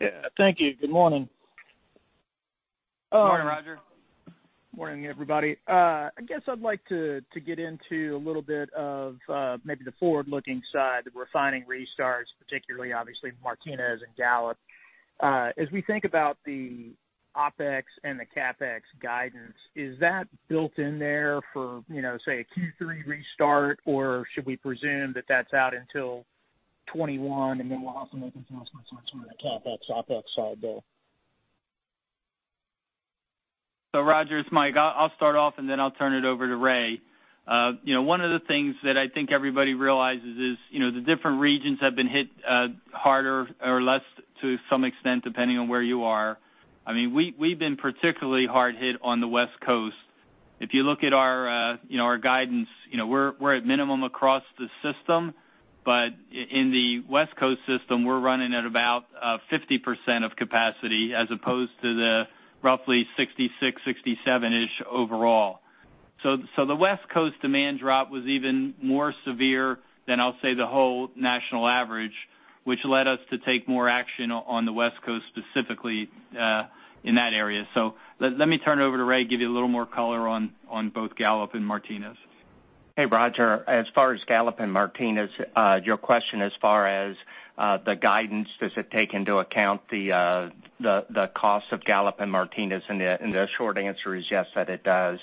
Yeah. Thank you. Good morning. Good morning, Roger. Morning, everybody. I guess I'd like to get into a little bit of maybe the forward-looking side, the refining restarts, particularly obviously Martinez and Gallup. As we think about the OpEx and the CapEx guidance, is that built in there for, say, a Q3 restart, or should we presume that that's out until 2021 and then we'll also make announcements on the CapEx/OpEx side bill? Roger, it's Mike. I'll start off, and then I'll turn it over to Ray. One of the things that I think everybody realizes is the different regions have been hit harder or less to some extent, depending on where you are. We've been particularly hard hit on the West Coast. If you look at our guidance, we're at minimum across the system, but in the West Coast system, we're running at about 50% of capacity as opposed to the roughly 66, 67-ish overall. The West Coast demand drop was even more severe than I'll say the whole national average, which led us to take more action on the West Coast specifically in that area. Let me turn it over to Ray, give you a little more color on both Gallup and Martinez. Hey, Roger. As far as Gallup and Martinez, your question as far as the guidance, does it take into account the cost of Gallup and Martinez? The short answer is yes, that it does.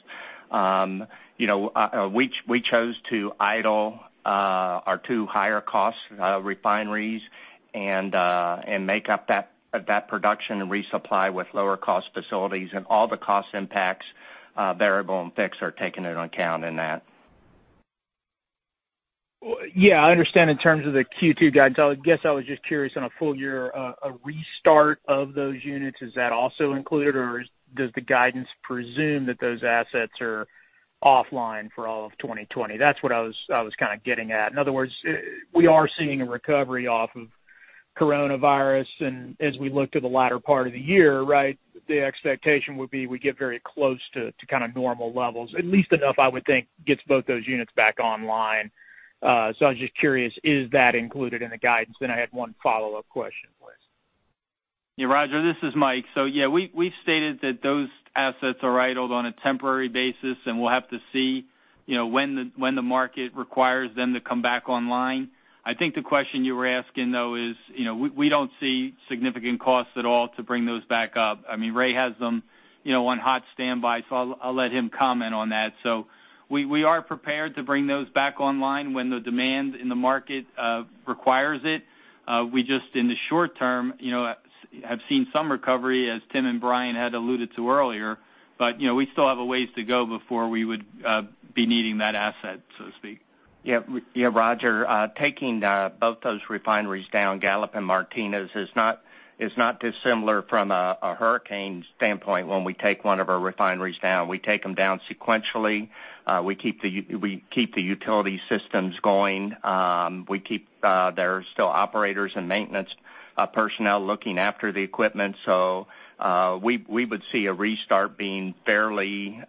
We chose to idle our two higher cost refineries and make up that production and resupply with lower cost facilities and all the cost impacts, variable and fixed are taken into account in that. I understand in terms of the Q2 guidance. I guess I was just curious on a full year, a restart of those units, is that also included, or does the guidance presume that those assets are offline for all of 2020? That's what I was kind of getting at. In other words, we are seeing a recovery off of coronavirus, and as we look to the latter part of the year, the expectation would be we get very close to kind of normal levels, at least enough, I would think, gets both those units back online. I was just curious, is that included in the guidance? I had one follow-up question for you. Roger, this is Mike. We've stated that those assets are idled on a temporary basis, and we'll have to see when the market requires them to come back online. I think the question you were asking, though, is we don't see significant costs at all to bring those back up. Ray has them on hot standby, I'll let him comment on that. We are prepared to bring those back online when the demand in the market requires it. We just, in the short term, have seen some recovery as Tim and Brian had alluded to earlier, we still have a ways to go before we would be needing that asset, so to speak. Roger, taking both those refineries down, Gallup and Martinez, is not dissimilar from a hurricane standpoint when we take one of our refineries down. We take them down sequentially. We keep the utility systems going. There's still operators and maintenance personnel looking after the equipment. We would see a restart being fairly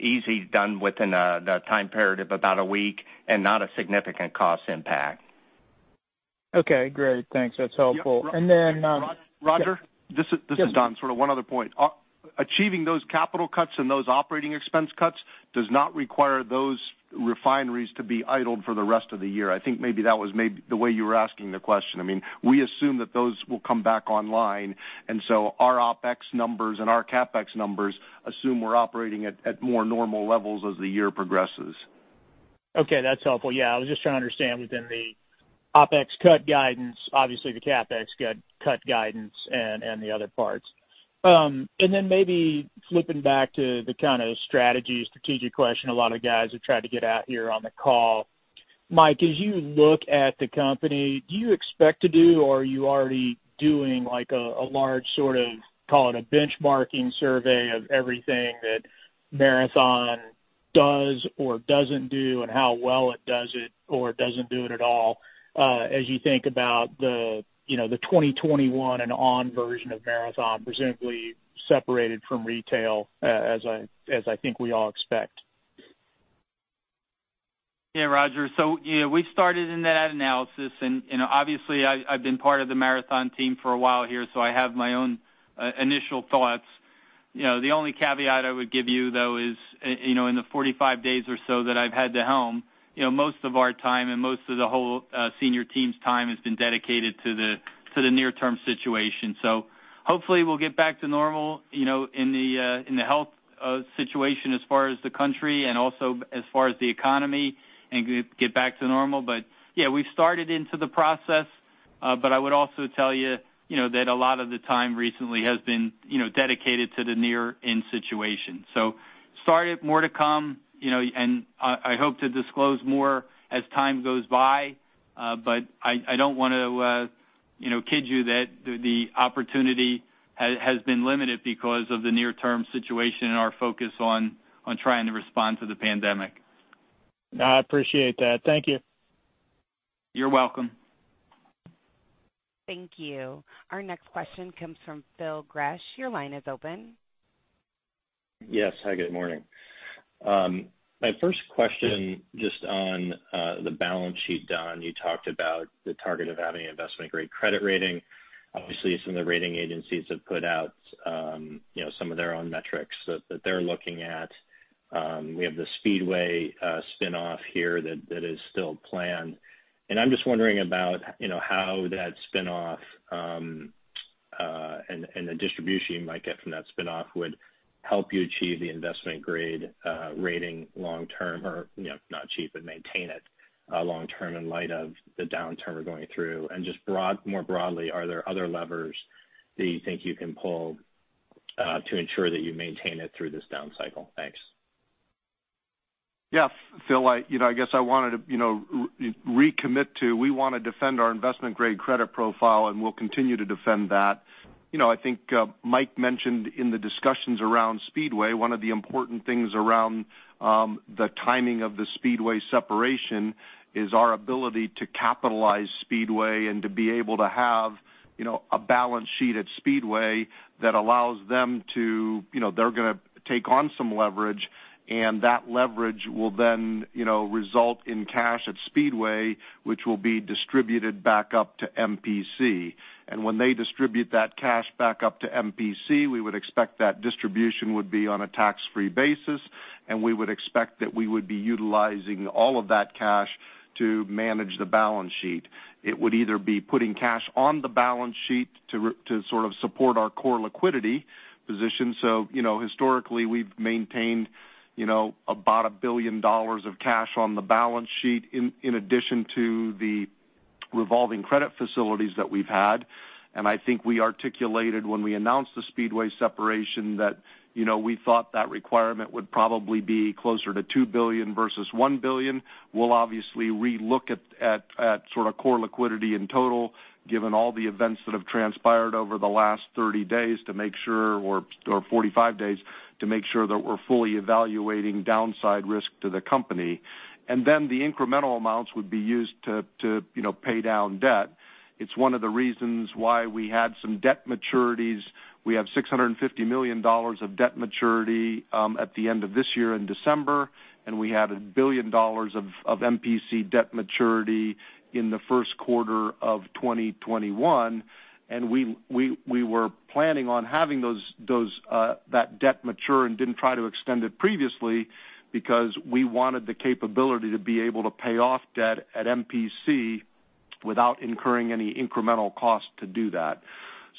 easy done within a time period of about a week and not a significant cost impact. Okay, great. Thanks. That's helpful. Roger? Yes. This is Don. Sort of one other point. Achieving those capital cuts and those OpEx cuts does not require those refineries to be idled for the rest of the year. I think maybe that was the way you were asking the question. We assume that those will come back online, and so our OpEx numbers and our CapEx numbers assume we're operating at more normal levels as the year progresses. Okay, that's helpful. Yeah, I was just trying to understand within the OpEx cut guidance, obviously the CapEx cut guidance and the other parts. Maybe flipping back to the kind of strategic question a lot of guys have tried to get at here on the call. Mike, as you look at the company, do you expect to do, or are you already doing a large sort of, call it a benchmarking survey of everything that Marathon does or doesn't do and how well it does it or doesn't do it at all as you think about the 2021 and on version of Marathon, presumably separated from retail as I think we all expect? Roger. We started in that analysis, and obviously, I've been part of the Marathon team for a while here, so I have my own initial thoughts. The only caveat I would give you, though, is in the 45 days or so that I've had the helm, most of our time and most of the whole senior team's time has been dedicated to the near-term situation. Hopefully we'll get back to normal in the health situation as far as the country and also as far as the economy and get back to normal. We've started into the process. I would also tell you that a lot of the time recently has been dedicated to the near-in situation. Started, more to come, and I hope to disclose more as time goes by. I don't want to kid you that the opportunity has been limited because of the near-term situation and our focus on trying to respond to the pandemic. I appreciate that. Thank you. You're welcome. Thank you. Our next question comes from Phil Gresh. Your line is open. Yes. Hi, good morning. My first question, just on the balance sheet, Don, you talked about the target of having investment-grade credit rating. Obviously, some of the rating agencies have put out some of their own metrics that they're looking at. We have the Speedway spin-off here that is still planned. I'm just wondering about how that spin-off and the distribution you might get from that spin-off would help you achieve the investment-grade rating long term or, if not achieve, but maintain it long term in light of the downturn we're going through. Just more broadly, are there other levers that you think you can pull to ensure that you maintain it through this down cycle? Thanks. Yeah. Phil, I guess I wanted to recommit to, we want to defend our investment-grade credit profile. We'll continue to defend that. I think Mike mentioned in the discussions around Speedway, one of the important things around the timing of the Speedway separation is our ability to capitalize Speedway and to be able to have a balance sheet at Speedway that allows them to take on some leverage. That leverage will then result in cash at Speedway, which will be distributed back up to MPC. When they distribute that cash back up to MPC, we would expect that distribution would be on a tax-free basis. We would expect that we would be utilizing all of that cash to manage the balance sheet. It would either be putting cash on the balance sheet to sort of support our core liquidity position. Historically, we've maintained about $1 billion of cash on the balance sheet in addition to the revolving credit facilities that we've had. I think we articulated when we announced the Speedway separation that we thought that requirement would probably be closer to $2 billion versus $1 billion. We'll obviously re-look at sort of core liquidity in total, given all the events that have transpired over the last 30 days to make sure, or 45 days, to make sure that we're fully evaluating downside risk to the company. The incremental amounts would be used to pay down debt. It's one of the reasons why we had some debt maturities. We have $650 million of debt maturity at the end of this year in December, and we had $1 billion of MPC debt maturity in the first quarter of 2021. We were planning on having that debt mature and didn't try to extend it previously because we wanted the capability to be able to pay off debt at MPC without incurring any incremental cost to do that.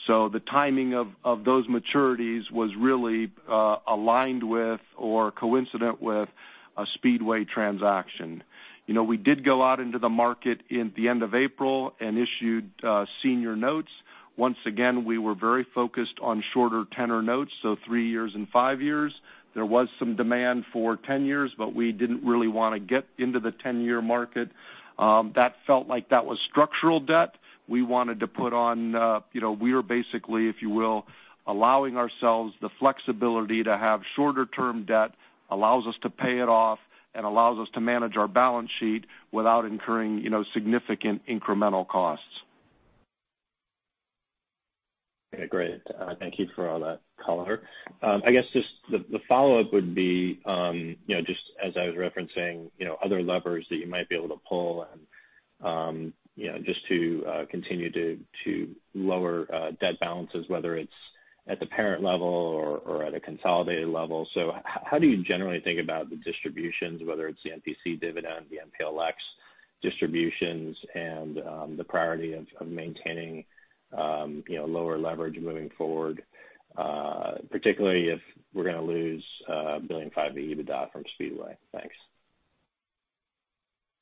The timing of those maturities was really aligned with or coincident with a Speedway transaction. We did go out into the market at the end of April and issued senior notes. Once again, we were very focused on shorter tenor notes, so three years and five years. There was some demand for 10 years, but we didn't really want to get into the 10-year market. That felt like that was structural debt. We are basically, if you will, allowing ourselves the flexibility to have shorter-term debt, allows us to pay it off, and allows us to manage our balance sheet without incurring significant incremental costs. Okay, great. Thank you for all that color. I guess just the follow-up would be, just as I was referencing other levers that you might be able to pull and just to continue to lower debt balances, whether it's at the parent level or at a consolidated level. How do you generally think about the distributions, whether it's the MPC dividend, the MPLX distributions, and the priority of maintaining lower leverage moving forward, particularly if we're going to lose $1.5 billion EBITDA from Speedway? Thanks.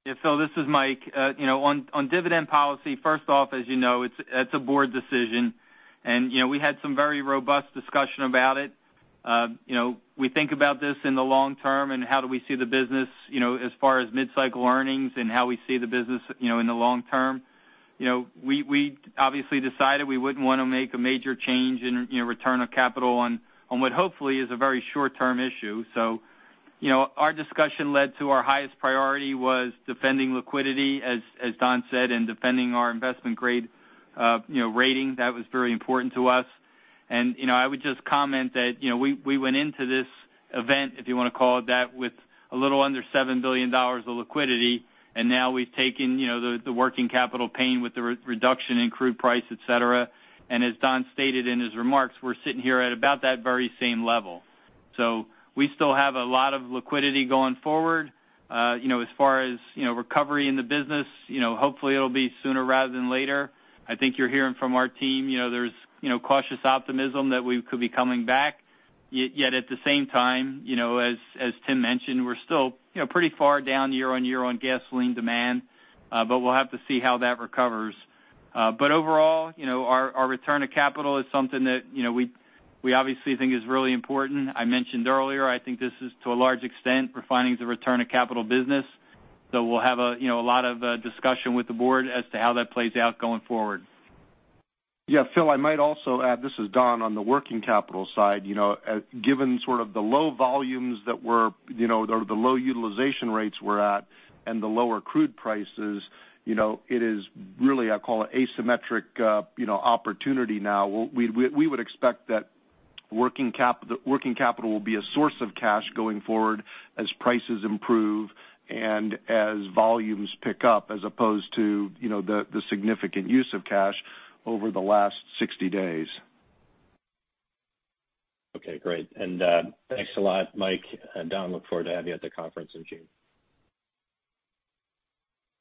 Yeah. Phil, this is Mike. On dividend policy, first off, as you know, it's a board decision. We had some very robust discussion about it. We think about this in the long term, and how do we see the business as far as mid-cycle earnings and how we see the business in the long term. We obviously decided we wouldn't want to make a major change in return of capital on what hopefully is a very short-term issue. Our discussion led to our highest priority was defending liquidity, as Don said, and defending our investment-grade rating. That was very important to us. I would just comment that we went into this event, if you want to call it that, with a little under $7 billion of liquidity, and now we've taken the working capital pain with the reduction in crude price, et cetera. As Don stated in his remarks, we're sitting here at about that very same level. We still have a lot of liquidity going forward. As far as recovery in the business, hopefully it'll be sooner rather than later. I think you're hearing from our team, there's cautious optimism that we could be coming back. At the same time, as Tim mentioned, we're still pretty far down year-on-year on gasoline demand. We'll have to see how that recovers. Overall, our return of capital is something that we obviously think is really important. I mentioned earlier, I think this is to a large extent refining the return of capital business. We'll have a lot of discussion with the board as to how that plays out going forward. Yeah, Phil, I might also add, this is Don, on the working capital side. Given sort of the low volumes, the low utilization rates we're at and the lower crude prices, it is really, I call it, asymmetric opportunity now. We would expect that working capital will be a source of cash going forward as prices improve and as volumes pick up as opposed to the significant use of cash over the last 60 days. Okay, great. Thanks a lot, Mike and Don. Look forward to having you at the conference in June.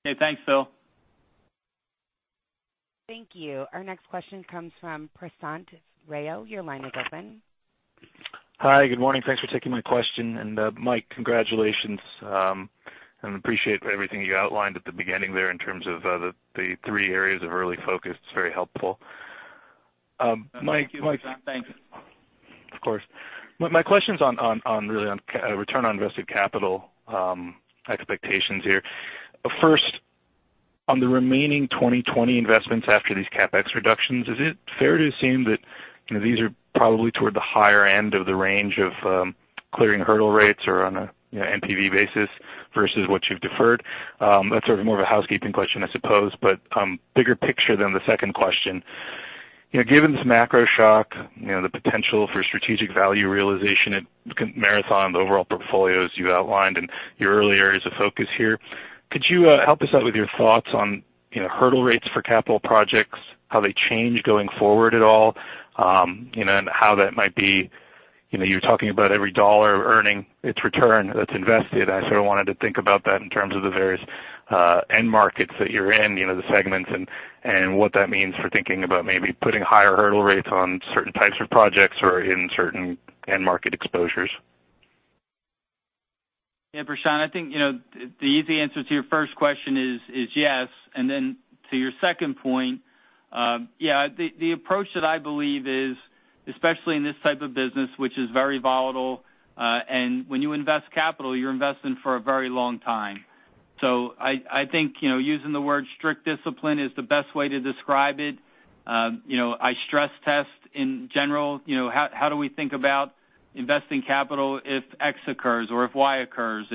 Okay, thanks, Phil. Thank you. Our next question comes from Prashant Rao. Your line is open. Hi. Good morning. Thanks for taking my question. Mike, congratulations, and appreciate everything you outlined at the beginning there in terms of the three areas of early focus. It's very helpful. Thank you, Prashant. Thanks. Of course. My question's on return on invested capital expectations here. First, on the remaining 2020 investments after these CapEx reductions, is it fair to assume that these are probably toward the higher end of the range of clearing hurdle rates or on a NPV basis versus what you've deferred? That's sort of more of a housekeeping question, I suppose. Bigger picture than the second question. Given this macro shock, the potential for strategic value realization at Marathon, the overall portfolios you outlined and your early areas of focus here, could you help us out with your thoughts on hurdle rates for capital projects, how they change going forward at all? You're talking about every dollar earning its return that's invested. I sort of wanted to think about that in terms of the various end markets that you're in, the segments, and what that means for thinking about maybe putting higher hurdle rates on certain types of projects or in certain end market exposures. Yeah, Prashant, I think, the easy answer to your first question is yes. Then to your second point, yeah, the approach that I believe is, especially in this type of business, which is very volatile. When you invest capital, you're investing for a very long time. I think, using the word strict discipline is the best way to describe it. I stress test in general, how do we think about investing capital if X occurs or if Y occurs?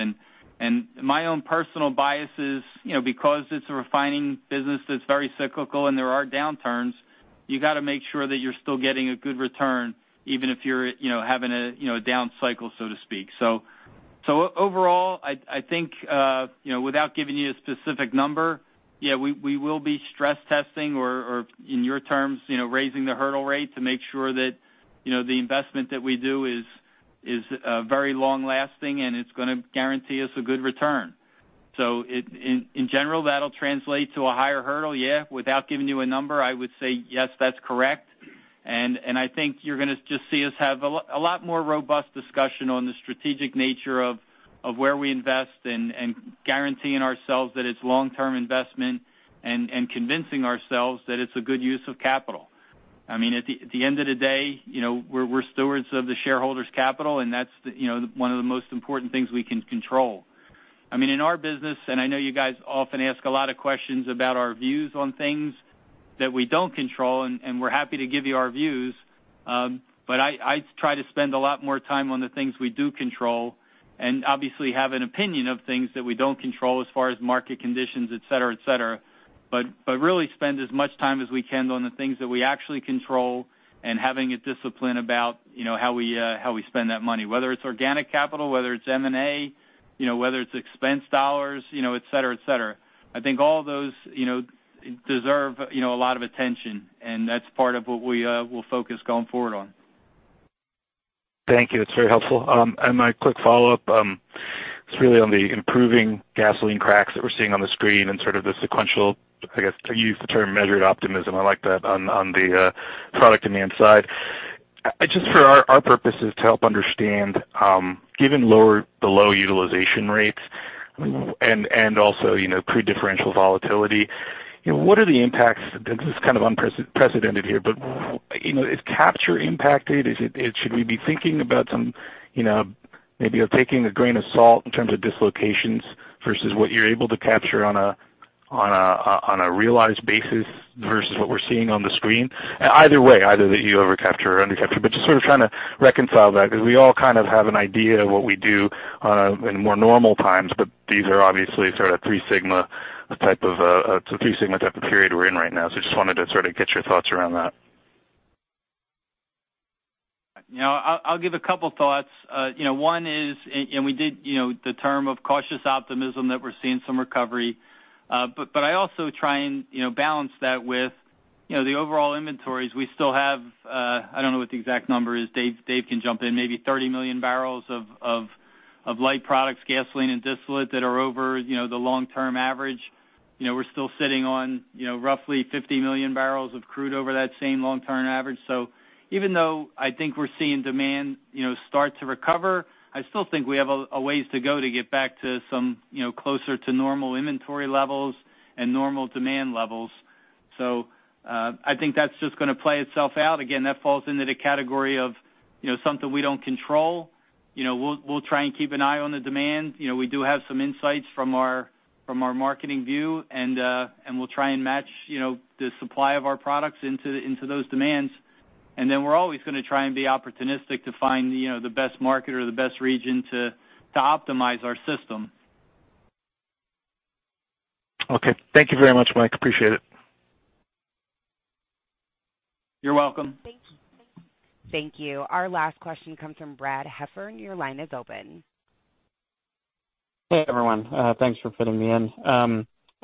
My own personal bias is, because it's a refining business that's very cyclical and there are downturns, you got to make sure that you're still getting a good return, even if you're having a down cycle, so to speak. Overall, I think, without giving you a specific number, yeah, we will be stress testing or in your terms, raising the hurdle rate to make sure that the investment that we do is very long lasting, and it's going to guarantee us a good return. In general, that'll translate to a higher hurdle. Yeah. Without giving you a number, I would say yes, that's correct. I think you're going to just see us have a lot more robust discussion on the strategic nature of where we invest and guaranteeing ourselves that it's long-term investment and convincing ourselves that it's a good use of capital. At the end of the day, we're stewards of the shareholders' capital, and that's one of the most important things we can control. In our business, I know you guys often ask a lot of questions about our views on things that we don't control, we're happy to give you our views. I try to spend a lot more time on the things we do control and obviously have an opinion of things that we don't control as far as market conditions, et cetera. Really spend as much time as we can on the things that we actually control and having a discipline about how we spend that money, whether it's organic capital, whether it's M&A, whether it's expense dollars, et cetera. I think all those deserve a lot of attention, that's part of what we'll focus going forward on. Thank you. That's very helpful. My quick follow-up, it's really on the improving gasoline cracks that we're seeing on the screen and sort of the sequential, I guess, you used the term measured optimism. I like that, on the product demand side. Just for our purposes to help understand, given the low utilization rates and also crude differential volatility, what are the impacts? This is kind of unprecedented here, but is capture impacted? Should we be thinking about some maybe of taking a grain of salt in terms of dislocations versus what you're able to capture on a realized basis versus what we're seeing on the screen? Either way, either that you over capture or under capture, but just sort of trying to reconcile that because we all kind of have an idea of what we do in more normal times, but these are obviously sort of a three sigma type of period we're in right now. Just wanted to sort of get your thoughts around that. I'll give a couple thoughts. One is, we did the term of cautious optimism that we're seeing some recovery. I also try and balance that with the overall inventories we still have. I don't know what the exact number is. Dave can jump in. Maybe 30 million barrels of light products, gasoline and distillate that are over the long-term average. We're still sitting on roughly 50 million barrels of crude over that same long-term average. Even though I think we're seeing demand start to recover, I still think we have a ways to go to get back to some closer to normal inventory levels and normal demand levels. I think that's just going to play itself out. Again, that falls into the category of something we don't control. We'll try and keep an eye on the demand. We do have some insights from our marketing view, we'll try and match the supply of our products into those demands. Then we're always going to try and be opportunistic to find the best market or the best region to optimize our system. Okay. Thank you very much, Mike. Appreciate it. You're welcome. Thank you. Our last question comes from Brad Heffern. Your line is open. Hey, everyone. Thanks for fitting me in.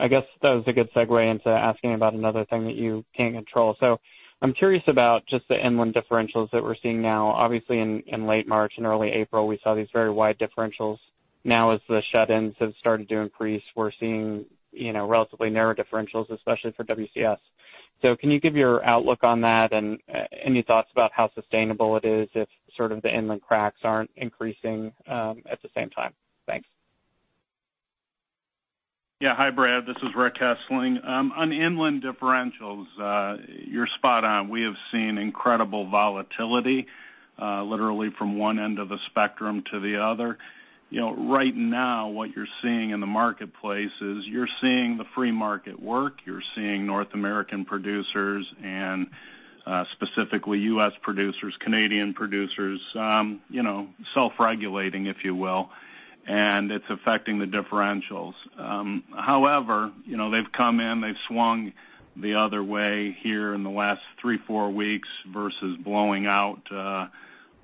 I guess that was a good segue into asking about another thing that you can't control. I'm curious about just the inland differentials that we're seeing now. Obviously, in late March and early April, we saw these very wide differentials. Now, as the shut-ins have started to increase, we're seeing relatively narrow differentials, especially for WCS. Can you give your outlook on that and any thoughts about how sustainable it is if sort of the inland cracks aren't increasing at the same time? Thanks. Hi, Brad. This is Rick Hessling. On inland differentials, you're spot on. We have seen incredible volatility, literally from one end of the spectrum to the other. Right now, what you're seeing in the marketplace is you're seeing the free market work. You're seeing North American producers and specifically U.S. producers, Canadian producers self-regulating, if you will, and it's affecting the differentials. However, they've come in, they've swung the other way here in the last three, four weeks versus blowing out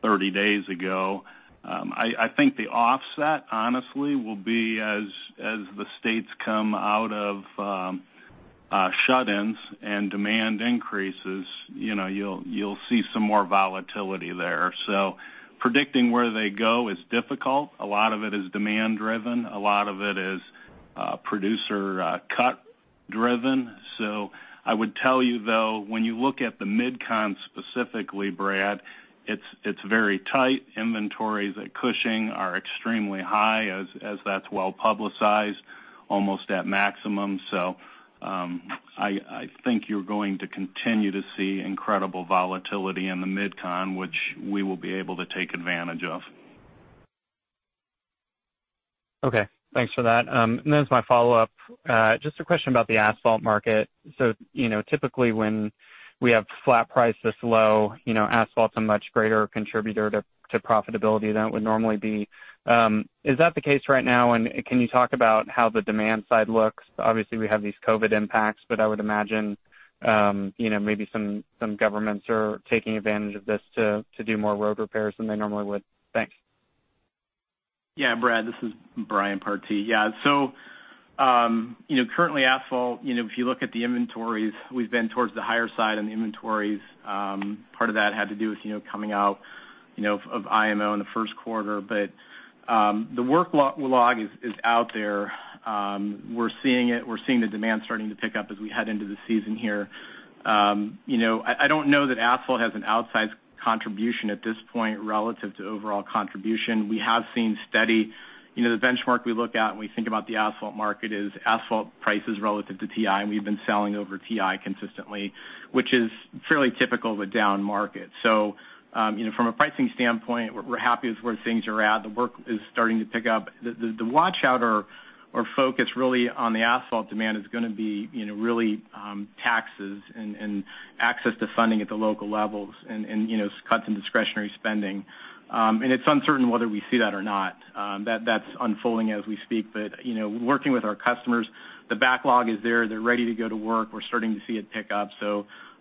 30 days ago. I think the offset, honestly, will be as the states come out of shut-ins and demand increases, you'll see some more volatility there. Predicting where they go is difficult. A lot of it is demand-driven. A lot of it is producer cut-driven. I would tell you, though, when you look at the MidCon specifically, Brad, it's very tight. Inventories at Cushing are extremely high as that's well-publicized, almost at maximum. I think you're going to continue to see incredible volatility in the MidCon, which we will be able to take advantage of. Okay. Thanks for that. As my follow-up, just a question about the asphalt market. Typically, when we have flat price this low, asphalt's a much greater contributor to profitability than it would normally be. Is that the case right now, and can you talk about how the demand side looks? Obviously, we have these COVID-19 impacts, but I would imagine maybe some governments are taking advantage of this to do more road repairs than they normally would. Thanks. Brad, this is Brian Partee. Yeah. Currently, asphalt, if you look at the inventories, we've been towards the higher side on the inventories. Part of that had to do with coming out of IMO in the first quarter. The work log is out there. We're seeing it. We're seeing the demand starting to pick up as we head into the season here. I don't know that asphalt has an outsized contribution at this point relative to overall contribution. The benchmark we look at when we think about the asphalt market is asphalt prices relative to TI, and we've been selling over TI consistently, which is fairly typical of a down market. From a pricing standpoint, we're happy with where things are at. The work is starting to pick up. The watch-out or focus really on the asphalt demand is going to be really taxes and access to funding at the local levels and cuts in discretionary spending. It's uncertain whether we see that or not. That's unfolding as we speak. Working with our customers, the backlog is there. They're ready to go to work. We're starting to see it pick up.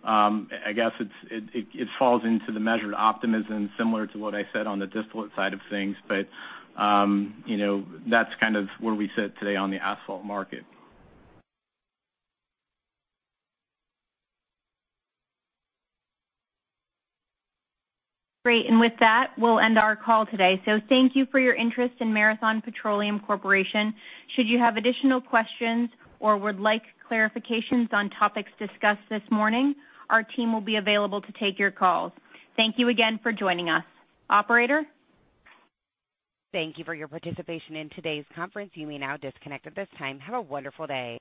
I guess it falls into the measured optimism, similar to what I said on the distillate side of things. That's kind of where we sit today on the asphalt market. Great. With that, we'll end our call today. Thank you for your interest in Marathon Petroleum Corporation. Should you have additional questions or would like clarifications on topics discussed this morning, our team will be available to take your calls. Thank you again for joining us. Operator? Thank you for your participation in today's conference. You may now disconnect at this time. Have a wonderful day.